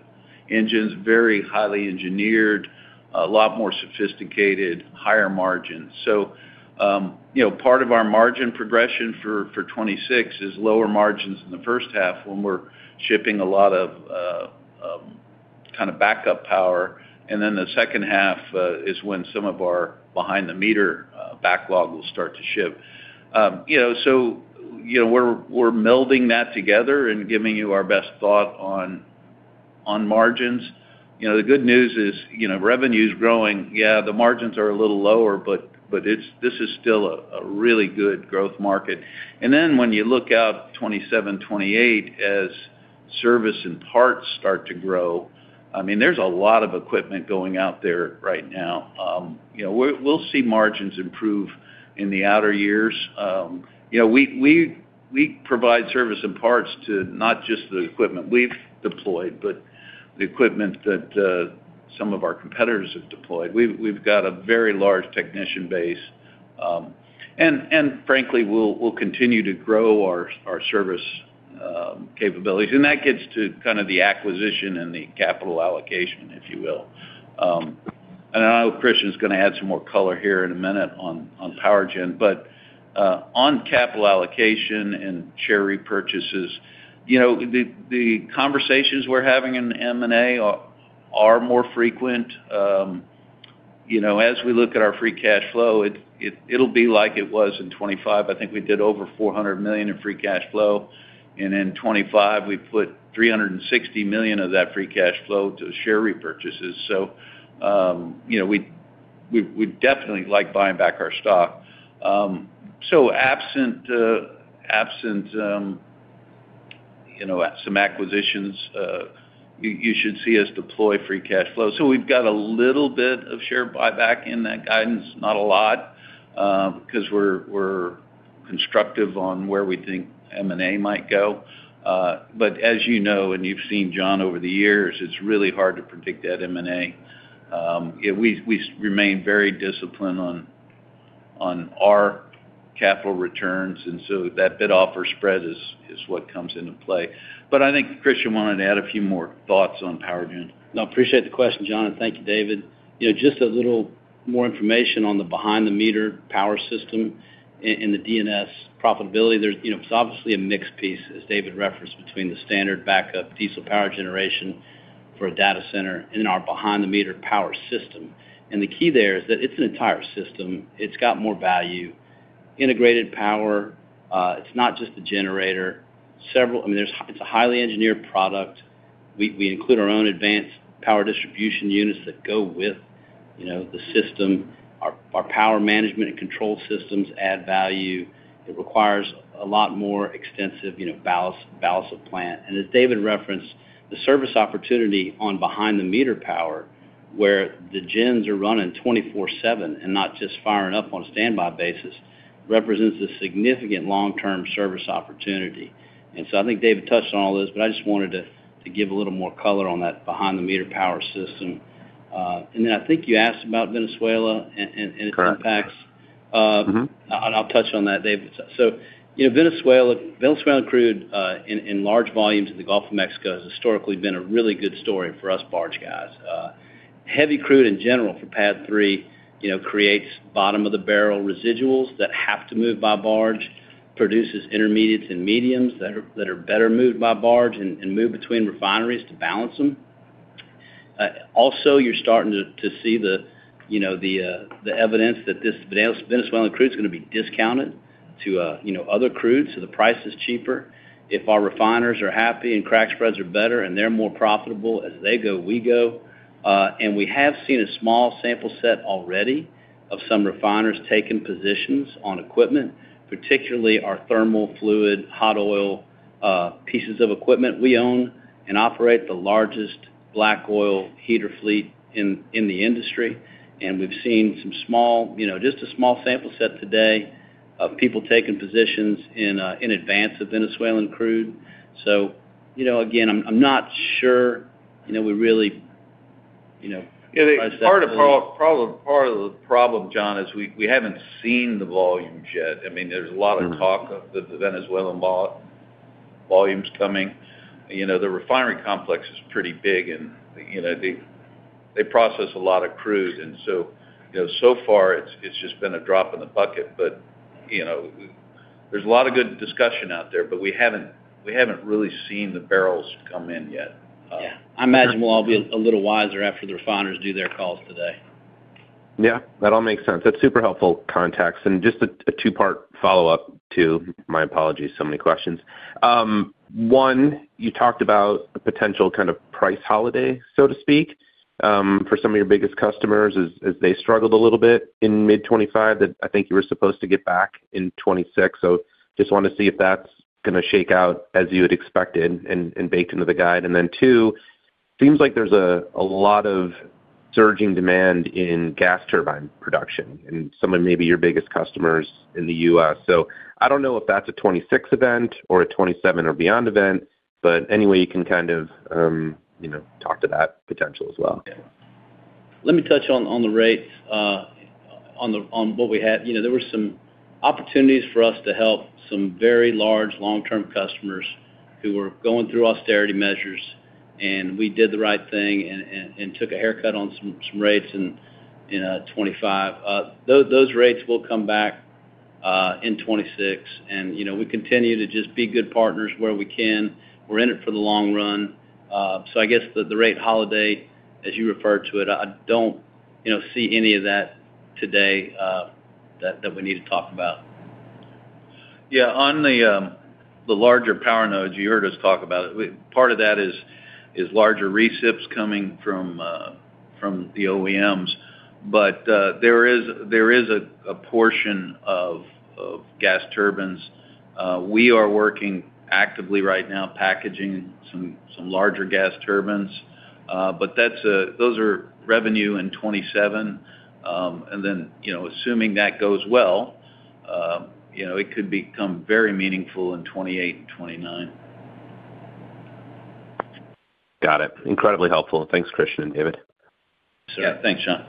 engines, very highly engineered, a lot more sophisticated, higher margin. So, you know, part of our margin progression for 2026 is lower margins in the first half when we're shipping a lot of kind of backup power, and then the second half is when some of our behind the meter backlog will start to ship. You know, so, you know, we're melding that together and giving you our best thought on margins. You know, the good news is, you know, revenue's growing. Yeah, the margins are a little lower, but it's, this is still a really good growth market. And then when you look out 2027, 2028, as service and parts start to grow, I mean, there's a lot of equipment going out there right now. You know, we'll see margins improve in the outer years. You know, we provide service and parts to not just the equipment we've deployed, but the equipment that some of our competitors have deployed. We've got a very large technician base. And frankly, we'll continue to grow our service capabilities, and that gets to kind of the acquisition and the capital allocation, if you will. And I know Christian's gonna add some more color here in a minute on power gen, but on capital allocation and share repurchases, you know, the conversations we're having in M&A are more frequent. You know, as we look at our free cash flow, it'll be like it was in 2025. I think we did over $400 million in free cash flow, and in 2025, we put $360 million of that free cash flow to share repurchases. So, you know, we definitely like buying back our stock. So absent some acquisitions, you should see us deploy free cash flow. So we've got a little bit of share buyback in that guidance, not a lot, because we're constructive on where we think M&A might go. But as you know, and you've seen John over the years, it's really hard to predict that M&A. Yeah, we remain very disciplined on our capital returns, and so that bid offer spread is what comes into play. But I think Christian wanted to add a few more thoughts on power gen. No, I appreciate the question, John, and thank you, David. You know, just a little more information on the behind the meter power system and the D&S profitability. There's, you know, it's obviously a mixed piece, as David referenced, between the standard backup diesel power generation for a data center and our behind the meter power system. And the key there is that it's an entire system. It's got more value, integrated power. It's not just a generator. I mean, there's, it's a highly engineered product. We, we include our own advanced power distribution units that go with, you know, the system. Our, our power management and control systems add value. It requires a lot more extensive, you know, balance, balance of plant. And as David referenced, the service opportunity on behind the meter power... where the gens are running 24/7 and not just firing up on a standby basis, represents a significant long-term service opportunity. So I think David touched on all this, but I just wanted to give a little more color on that behind the meter power system. And then I think you asked about Venezuela and its- Correct. - impacts. Mm-hmm. And I'll touch on that, David. So, you know, Venezuela, Venezuelan crude, in large volumes in the Gulf of Mexico has historically been a really good story for us barge guys. Heavy crude in general for PADD 3, you know, creates bottom of the barrel residuals that have to move by barge, produces intermediates and mediums that are better moved by barge and move between refineries to balance them. Also, you're starting to see the, you know, the evidence that this Venezuelan crude is going to be discounted to, you know, other crudes, so the price is cheaper. If our refiners are happy and crack spreads are better, and they're more profitable, as they go, we go. And we have seen a small sample set already of some refiners taking positions on equipment, particularly our thermal fluid, hot oil, pieces of equipment we own, and operate the largest black oil heater fleet in the industry. And we've seen some small, you know, just a small sample set today of people taking positions in advance of Venezuelan crude. So, you know, again, I'm not sure, you know, we really, you know, Yeah, part of the problem, John, is we haven't seen the volumes yet. I mean, there's a lot of talk of the Venezuelan volumes coming. You know, the refinery complex is pretty big, and, you know, they process a lot of crude, and so, you know, so far it's just been a drop in the bucket, but, you know, there's a lot of good discussion out there, but we haven't really seen the barrels come in yet. Yeah. I imagine we'll all be a little wiser after the refiners do their calls today. Yeah, that all makes sense. That's super helpful context. And just a two-part follow-up to... My apologies, so many questions. One, you talked about a potential kind of price holiday, so to speak, for some of your biggest customers as they struggled a little bit in mid 2025, that I think you were supposed to get back in 2026. So just want to see if that's going to shake out as you had expected and baked into the guide. And then, two, seems like there's a lot of surging demand in gas turbine production and some of maybe your biggest customers in the U.S. So I don't know if that's a 2026 event or a 2027 or beyond event, but any way you can kind of, you know, talk to that potential as well. Let me touch on the rates on what we had. You know, there were some opportunities for us to help some very large, long-term customers who were going through austerity measures, and we did the right thing and took a haircut on some rates in 2025. Those rates will come back in 2026, and, you know, we continue to just be good partners where we can. We're in it for the long run. So I guess the rate holiday, as you refer to it, I don't see any of that today that we need to talk about. Yeah, on the larger power nodes, you heard us talk about it. Part of that is larger recips coming from the OEMs. But there is a portion of gas turbines. We are working actively right now, packaging some larger gas turbines. But that's those are revenue in 2027. And then, you know, assuming that goes well, you know, it could become very meaningful in 2028 and 2029. Got it. Incredibly helpful. Thanks, Christian and David. Sure. Yeah, thanks, John.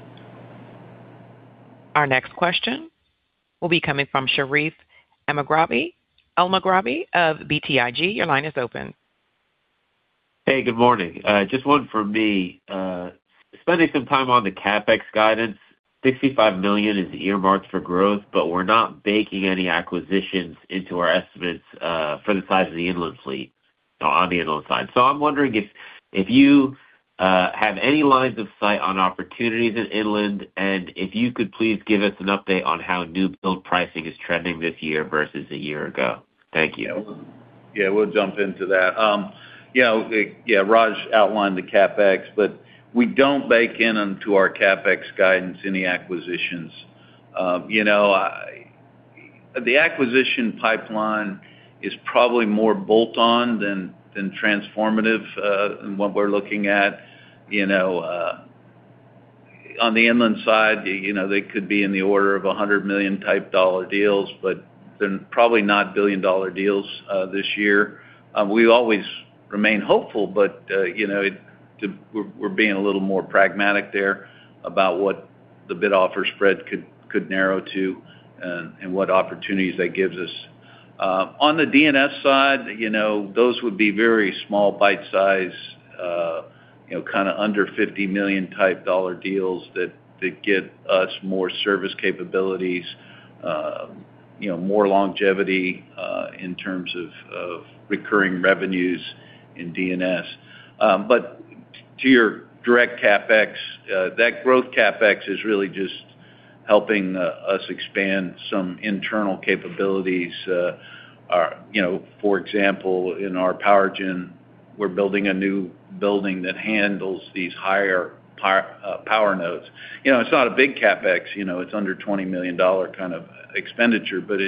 Our next question will be coming from Sherif Elmaghrabi of BTIG. Your line is open. Hey, good morning. Just one from me. Spending some time on the CapEx guidance, $65 million is earmarked for growth, but we're not baking any acquisitions into our estimates for the size of the inland fleet on the inland side. So I'm wondering if, if you have any lines of sight on opportunities in inland, and if you could please give us an update on how new build pricing is trending this year versus a year ago. Thank you. Yeah, we'll jump into that. Yeah, yeah, Raj outlined the CapEx, but we don't bake in into our CapEx guidance, any acquisitions. You know, the acquisition pipeline is probably more bolt-on than, than transformative, than what we're looking at. You know, on the inland side, you know, they could be in the order of $100 million-type dollar deals, but they're probably not billion-dollar deals, this year. We always remain hopeful, but, you know, we're being a little more pragmatic there about what the bid offer spread could, could narrow to and, and what opportunities that gives us. On the D&S side, you know, those would be very small bite-size, you know, kind of under $50 million type dollar deals that give us more service capabilities, you know, more longevity, in terms of recurring revenues in D&S. But to your direct CapEx, that growth CapEx is really just helping us expand some internal capabilities. Our, you know, for example, in our power gen, we're building a new building that handles these higher power power nodes. You know, it's not a big CapEx, you know, it's under $20 million dollar kind of expenditure, but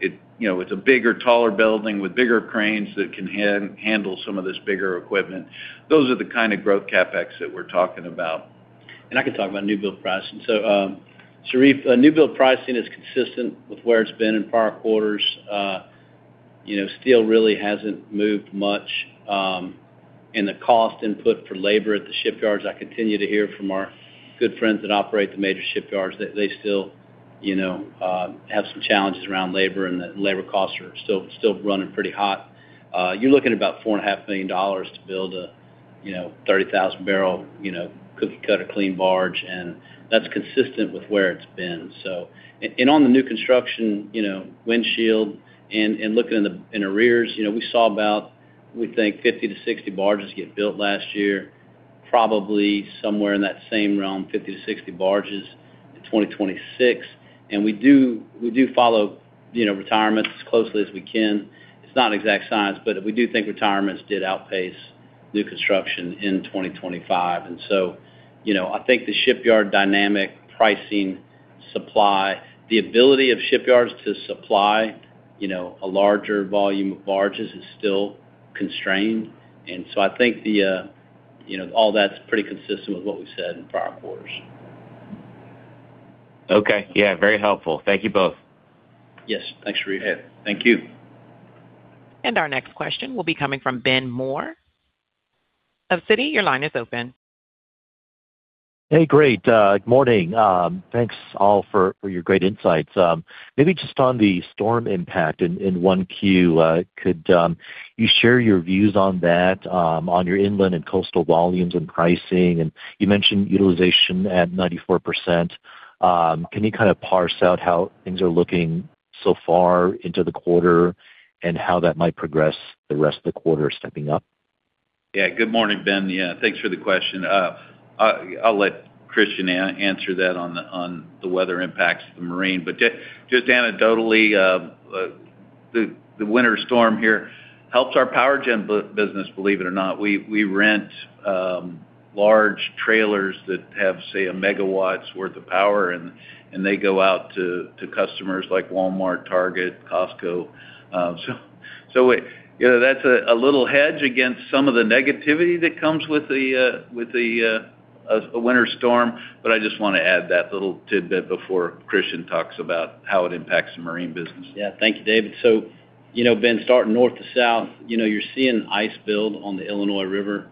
it, you know, it's a bigger, taller building with bigger cranes that can handle some of this bigger equipment. Those are the kind of growth CapEx that we're talking about. I can talk about newbuild pricing. So, Sherif, newbuild pricing is consistent with where it's been in prior quarters. You know, steel really hasn't moved much, and the cost input for labor at the shipyards, I continue to hear from our good friends that operate the major shipyards, that they still, you know, have some challenges around labor, and the labor costs are still running pretty hot. You're looking at about $4.5 million to build a 30,000-barrel cookie-cutter clean barge, and that's consistent with where it's been. So, on the new construction, you know, looking forward and looking in the rearview, you know, we saw about, we think, 50-60 barges get built last year, probably somewhere in that same realm, 50-60 barges in 2026. And we do follow, you know, retirements as closely as we can. It's not an exact science, but we do think retirements did outpace new construction in 2025. And so, you know, I think the shipyard dynamic, pricing, supply, the ability of shipyards to supply, you know, a larger volume of barges is still constrained. And so I think the, you know, all that's pretty consistent with what we've said in prior quarters. Okay. Yeah, very helpful. Thank you both. Yes, thanks, Sherif. Yeah. Thank you. Our next question will be coming from Ben Moore of Citi. Your line is open. Hey, great. Good morning. Thanks all for your great insights. Maybe just on the storm impact in 1Q, could you share your views on that, on your inland and coastal volumes and pricing? And you mentioned utilization at 94%. Can you kind of parse out how things are looking so far into the quarter and how that might progress the rest of the quarter stepping up? Yeah. Good morning, Ben. Yeah, thanks for the question. I'll let Christian answer that on the weather impacts of the marine. But just anecdotally, the winter storm here helps our power gen business, believe it or not. We rent large trailers that have, say, 1 megawatt's worth of power, and they go out to customers like Walmart, Target, Costco. You know, that's a little hedge against some of the negativity that comes with the winter storm, but I just want to add that little tidbit before Christian talks about how it impacts the marine business. Yeah. Thank you, David. So, you know, Ben, starting north to south, you know, you're seeing ice build on the Illinois River,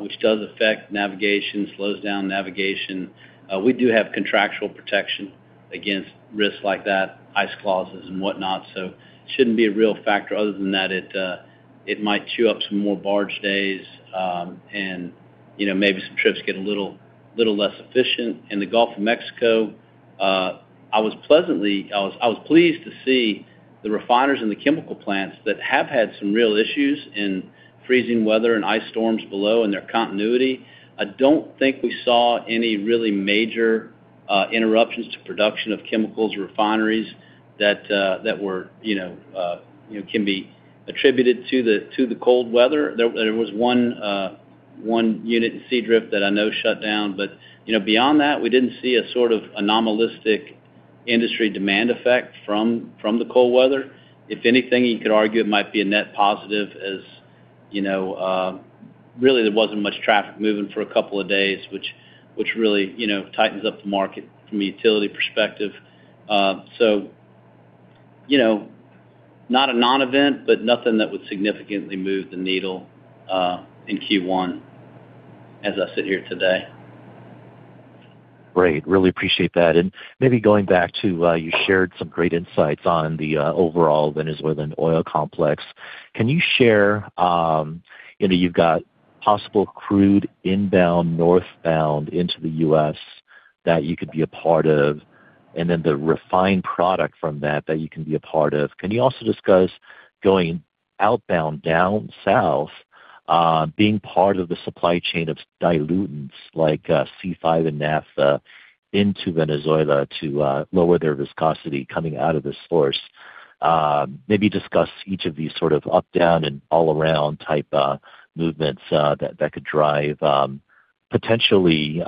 which does affect navigation, slows down navigation. We do have contractual protection against risks like that, ice clauses and whatnot, so it shouldn't be a real factor other than that it might chew up some more barge days, and, you know, maybe some trips get a little, little less efficient. In the Gulf of Mexico, I was pleased to see the refiners and the chemical plants that have had some real issues in freezing weather and ice storms below, and their continuity. I don't think we saw any really major interruptions to production of chemicals or refineries that were, you know, can be attributed to the cold weather. There was one unit in Seadrift that I know shut down, but, you know, beyond that, we didn't see a sort of anomalistic industry demand effect from the cold weather. If anything, you could argue it might be a net positive, as, you know, really there wasn't much traffic moving for a couple of days, which really, you know, tightens up the market from a utility perspective. So, you know, not a non-event, but nothing that would significantly move the needle in Q1 as I sit here today. Great. Really appreciate that. And maybe going back to, you shared some great insights on the overall Venezuelan oil complex. Can you share... You know, you've got possible crude inbound, northbound into the U.S. that you could be a part of, and then the refined product from that, that you can be a part of. Can you also discuss going outbound down south, being part of the supply chain of diluents like C5 and naphtha into Venezuela to lower their viscosity coming out of the source? Maybe discuss each of these sort of up, down, and all around type movements that that could drive potentially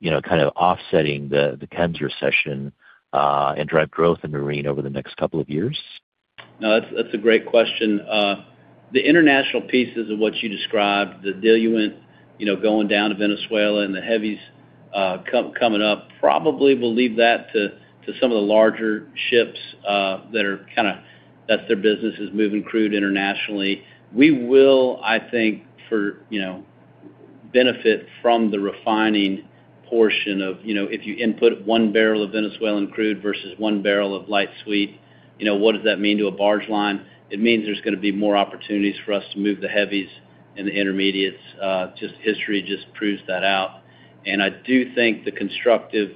you know kind of offsetting the chems recession and drive growth in marine over the next couple of years? No, that's a great question. The international pieces of what you described, the diluent, you know, going down to Venezuela and the heavies, coming up, probably we'll leave that to some of the larger ships that are kind of... That's their business, is moving crude internationally. We will, I think, you know, benefit from the refining portion of, you know, if you input 1 barrel of Venezuelan crude versus 1 barrel of light sweet, you know, what does that mean to a barge line? It means there's going to be more opportunities for us to move the heavies and the intermediates. Just history proves that out. And I do think the constructive,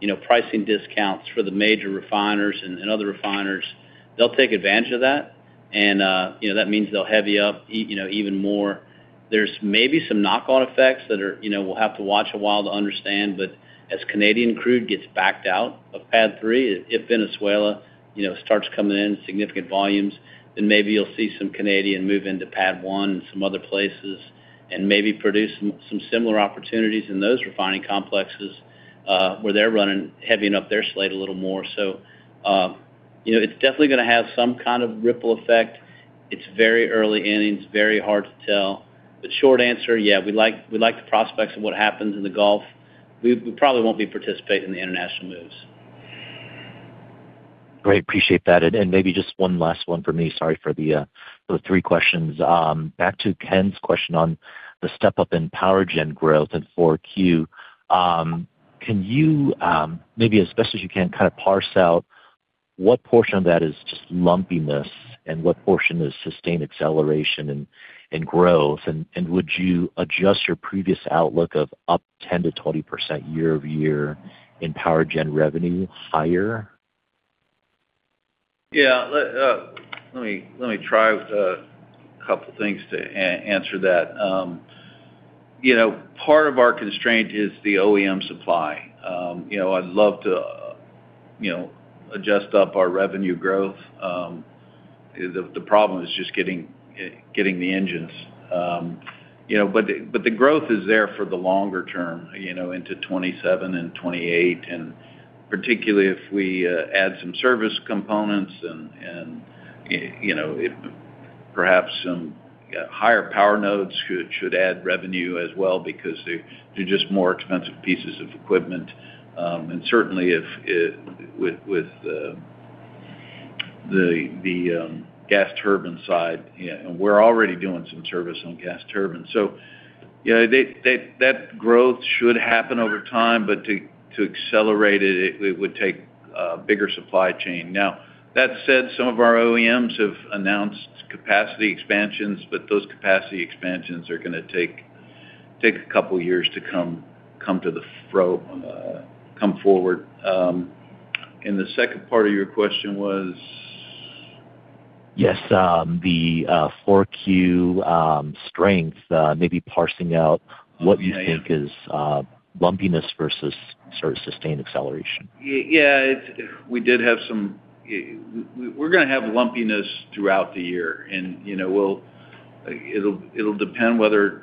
you know, pricing discounts for the major refiners and other refiners, they'll take advantage of that. And, you know, that means they'll heavy up you know, even more. There's maybe some knock-on effects that are, you know, we'll have to watch a while to understand, but as Canadian crude gets backed out of PADD 3, if Venezuela, you know, starts coming in significant volumes, then maybe you'll see some Canadian move into PADD 1 and some other places, and maybe produce some, some similar opportunities in those refining complexes, where they're running heavy enough their slate a little more. So, you know, it's definitely going to have some kind of ripple effect.... It's very early innings, very hard to tell. But short answer, yeah, we like, we like the prospects of what happens in the Gulf. We, we probably won't be participating in the international moves. Great, appreciate that. And maybe just one last one for me. Sorry for the three questions. Back to Ken's question on the step-up in power gen growth in 4Q. Can you maybe as best as you can kind of parse out what portion of that is just lumpiness, and what portion is sustained acceleration and growth? And would you adjust your previous outlook of up 10%-20% year-over-year in power gen revenue higher? Yeah. Let me try a couple things to answer that. You know, part of our constraint is the OEM supply. You know, I'd love to, you know, adjust up our revenue growth. The problem is just getting the engines. You know, but the growth is there for the longer term, you know, into 2027 and 2028, and particularly if we add some service components and, you know, if perhaps some higher power nodes should add revenue as well, because they're just more expensive pieces of equipment. And certainly, if with the gas turbine side, yeah, and we're already doing some service on gas turbines. So, you know, they that growth should happen over time, but to accelerate it, it would take bigger supply chain. Now, that said, some of our OEMs have announced capacity expansions, but those capacity expansions are gonna take a couple years to come forward. And the second part of your question was? Yes, the 4Q strength, maybe parsing out what you think- Yeah. - is, lumpiness versus sort of sustained acceleration. Yeah, it's. We did have some. We're gonna have lumpiness throughout the year, and, you know, we'll. It'll depend whether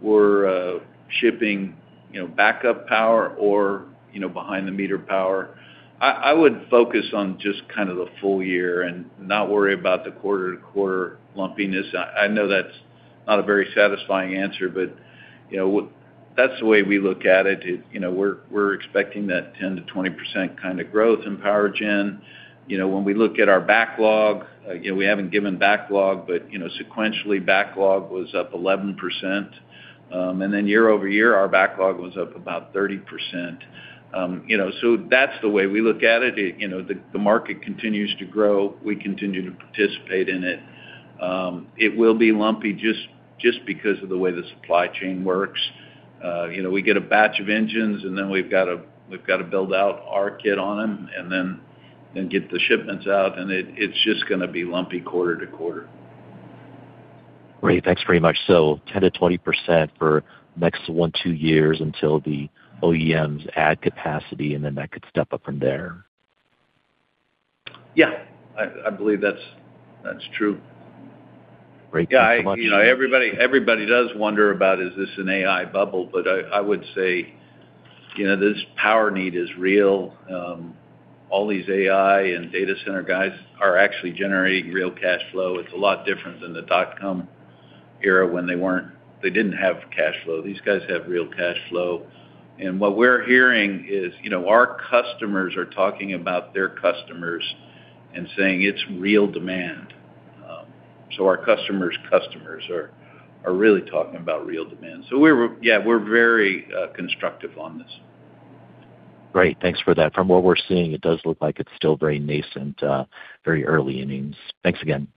we're shipping, you know, backup power or, you know, behind-the-meter power. I would focus on just kind of the full year and not worry about the quarter-to-quarter lumpiness. I know that's not a very satisfying answer, but, you know, that's the way we look at it. It, you know, we're expecting that 10%-20% kind of growth in power gen. You know, when we look at our backlog, again, we haven't given backlog, but, you know, sequentially, backlog was up 11%. And then year-over-year, our backlog was up about 30%. You know, so that's the way we look at it. It, you know, the market continues to grow. We continue to participate in it. It will be lumpy just, just because of the way the supply chain works. You know, we get a batch of engines, and then we've got to, we've got to build out our kit on them and then, then get the shipments out, and it, it's just gonna be lumpy quarter to quarter. Great. Thanks very much. So 10%-20% for the next 1-2 years until the OEMs add capacity, and then that could step up from there? Yeah, I believe that's true. Great. Thank you so much. Yeah, you know, everybody, everybody does wonder about, is this an AI bubble? But I, I would say, you know, this power need is real. All these AI and data center guys are actually generating real cash flow. It's a lot different than the dot-com era, when they weren't, they didn't have cash flow. These guys have real cash flow. And what we're hearing is, you know, our customers are talking about their customers and saying it's real demand. So our customers' customers are, are really talking about real demand. So we're, yeah, we're very constructive on this. Great, thanks for that. From what we're seeing, it does look like it's still very nascent, very early innings. Thanks again.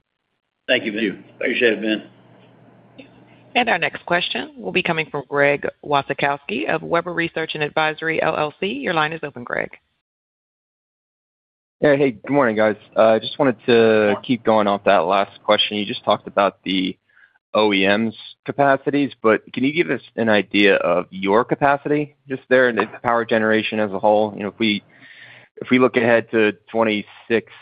Thank you, appreciate it, Ben. Our next question will be coming from Greg Wasikowski of Webber Research & Advisory LLC. Your line is open, Greg. Yeah. Hey, good morning, guys. Just wanted to keep going off that last question. You just talked about the OEMs' capacities, but can you give us an idea of your capacity just there and the power generation as a whole? You know, if we, if we look ahead to 2026,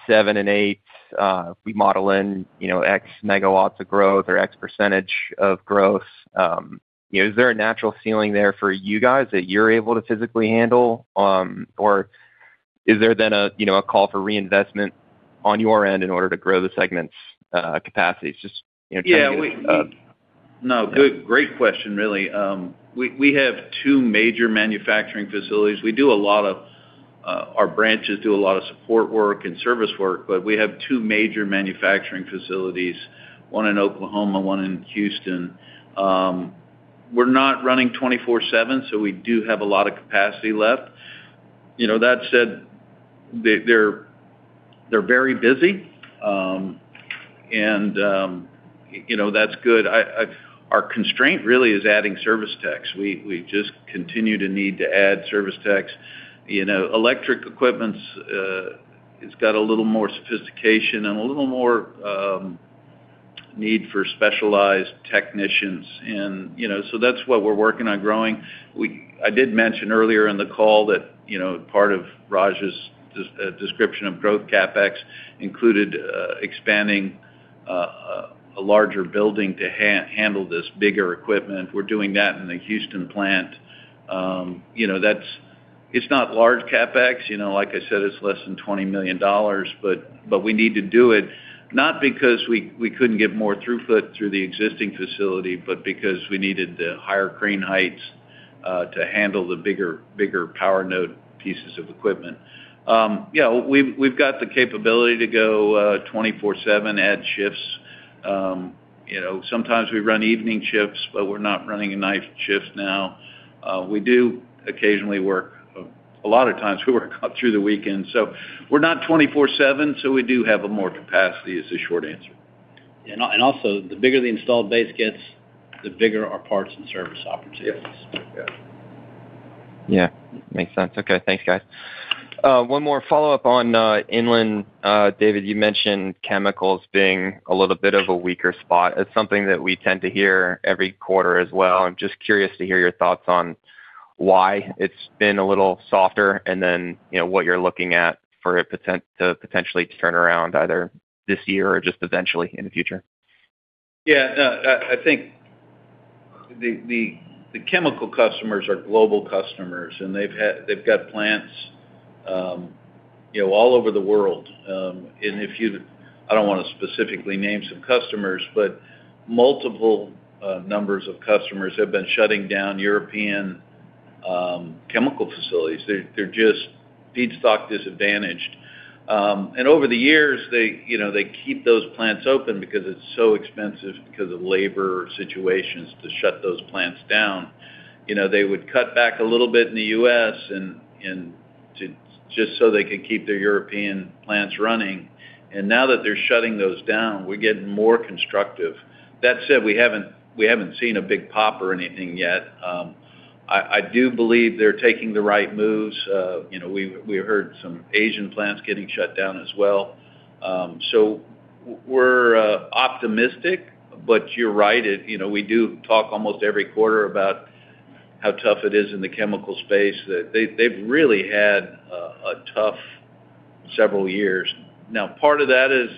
2027, and 2028, we model in, you know, X megawatts of growth or X% of growth, you know, is there a natural ceiling there for you guys that you're able to physically handle? Or is there then a, you know, a call for reinvestment on your end in order to grow the segment's capacities? Just, you know- Yeah, we- Uh. No, good, great question, really. We have two major manufacturing facilities. We do a lot of our branches do a lot of support work and service work, but we have two major manufacturing facilities, one in Oklahoma, one in Houston. We're not running 24/7, so we do have a lot of capacity left. You know, that said, they're very busy, and you know, that's good. I... Our constraint really is adding service techs. We just continue to need to add service techs. You know, electric equipment has got a little more sophistication and a little more need for specialized technicians and, you know, so that's what we're working on growing. I did mention earlier in the call that, you know, part of Raj's description of growth CapEx included expanding a larger building to handle this bigger equipment. We're doing that in the Houston plant. You know, that's It's not large CapEx, you know? Like I said, it's less than $20 million, but, but we need to do it, not because we, we couldn't get more throughput through the existing facility, but because we needed the higher crane heights to handle the bigger, bigger power gen pieces of equipment. Yeah, we've, we've got the capability to go 24/7, add shifts. You know, sometimes we run evening shifts, but we're not running a night shift now. We do occasionally work A lot of times, we work up through the weekend. We're not 24/7, so we do have more capacity, is the short answer. And also, the bigger the installed base gets, the bigger our parts and service opportunities. Yes. Yeah. Yeah. Makes sense. Okay, thanks, guys. One more follow-up on inland. David, you mentioned chemicals being a little bit of a weaker spot. It's something that we tend to hear every quarter as well. I'm just curious to hear your thoughts on why it's been a little softer, and then, you know, what you're looking at for it potentially to turn around either this year or just eventually in the future. Yeah, no, I think the chemical customers are global customers, and they've had—they've got plants, you know, all over the world. And I don't wanna specifically name some customers, but multiple numbers of customers have been shutting down European chemical facilities. They're just feedstock disadvantaged. And over the years, they, you know, they keep those plants open because it's so expensive because of labor situations to shut those plants down. You know, they would cut back a little bit in the U.S. and just so they could keep their European plants running, and now that they're shutting those down, we're getting more constructive. That said, we haven't seen a big pop or anything yet. I do believe they're taking the right moves. You know, we heard some Asian plants getting shut down as well. So we're optimistic, but you're right. It, you know, we do talk almost every quarter about how tough it is in the chemical space, that they've really had a tough several years. Now, part of that is,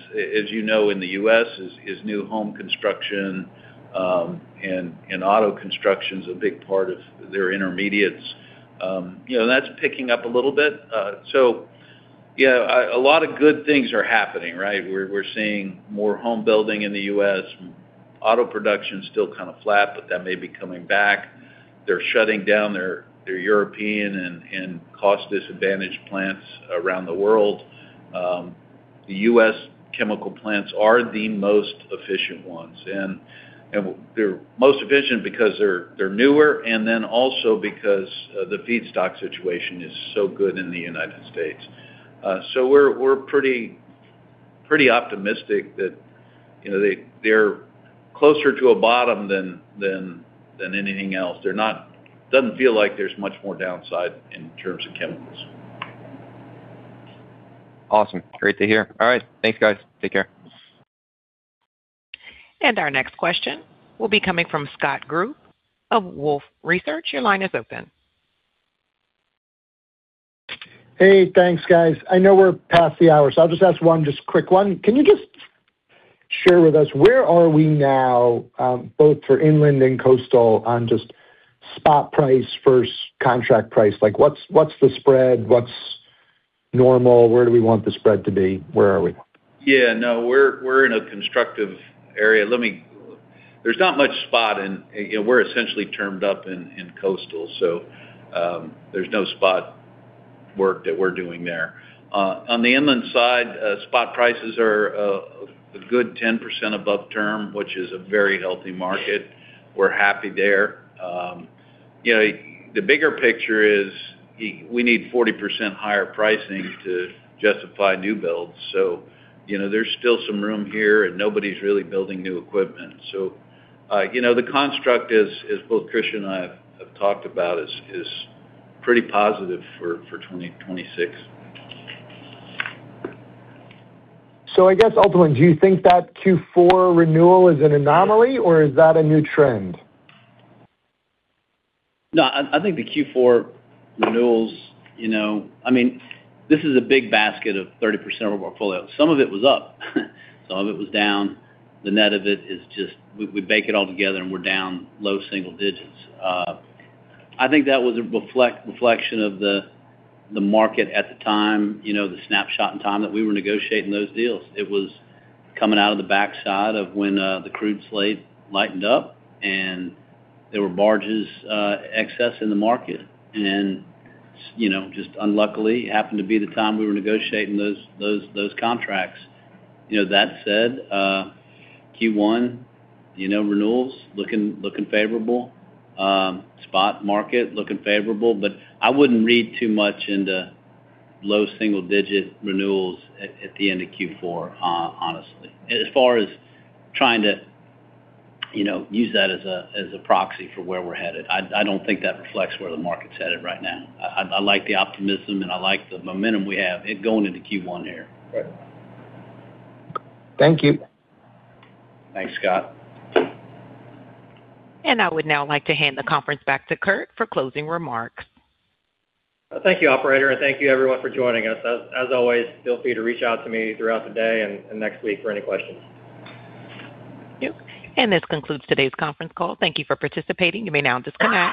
as you know, in the U.S., is new home construction, and auto construction's a big part of their intermediates. You know, that's picking up a little bit. So yeah, a lot of good things are happening, right? We're seeing more home building in the U.S. Auto production is still kind of flat, but that may be coming back. They're shutting down their European and cost-disadvantaged plants around the world. The U.S. chemical plants are the most efficient ones, and they're most efficient because they're newer, and then also because the feedstock situation is so good in the United States. We're pretty, pretty optimistic that, you know, they're closer to a bottom than anything else. They're not—doesn't feel like there's much more downside in terms of chemicals. Awesome. Great to hear. All right, thanks, guys. Take care. Our next question will be coming from Scott Group of Wolfe Research. Your line is open. Hey, thanks, guys. I know we're past the hour, so I'll just ask one, just a quick one. Can you just share with us where are we now, both for inland and coastal, on just spot price versus contract price? Like, what's, what's the spread? What's normal? Where do we want the spread to be? Where are we? Yeah, no, we're in a constructive area. Let me... There's not much spot in, you know, we're essentially termed up in coastal, so there's no spot work that we're doing there. On the inland side, spot prices are a good 10% above term, which is a very healthy market. We're happy there. You know, the bigger picture is we need 40% higher pricing to justify new builds. So, you know, there's still some room here, and nobody's really building new equipment. So, you know, the construct, as both Christian and I have talked about, is pretty positive for 2026. So I guess, ultimately, do you think that Q4 renewal is an anomaly, or is that a new trend? No, I think the Q4 renewals, you know, I mean, this is a big basket of 30% of our portfolio. Some of it was up. Some of it was down. The net of it is just... We bake it all together, and we're down low single digits. I think that was a reflection of the market at the time, you know, the snapshot in time that we were negotiating those deals. It was coming out of the backside of when the crude slate lightened up, and there were barges excess in the market. And, you know, just unluckily, happened to be the time we were negotiating those contracts. You know, that said, Q1, you know, renewals looking favorable, spot market looking favorable, but I wouldn't read too much into low single-digit renewals at the end of Q4, honestly. As far as trying to, you know, use that as a proxy for where we're headed, I like the optimism, and I like the momentum we have it going into Q1 here. Right. Thank you. Thanks, Scott. I would now like to hand the conference back to Kurt for closing remarks. Thank you, operator, and thank you everyone for joining us. As always, feel free to reach out to me throughout the day and next week for any questions. Yep, and this concludes today's conference call. Thank you for participating. You may now disconnect.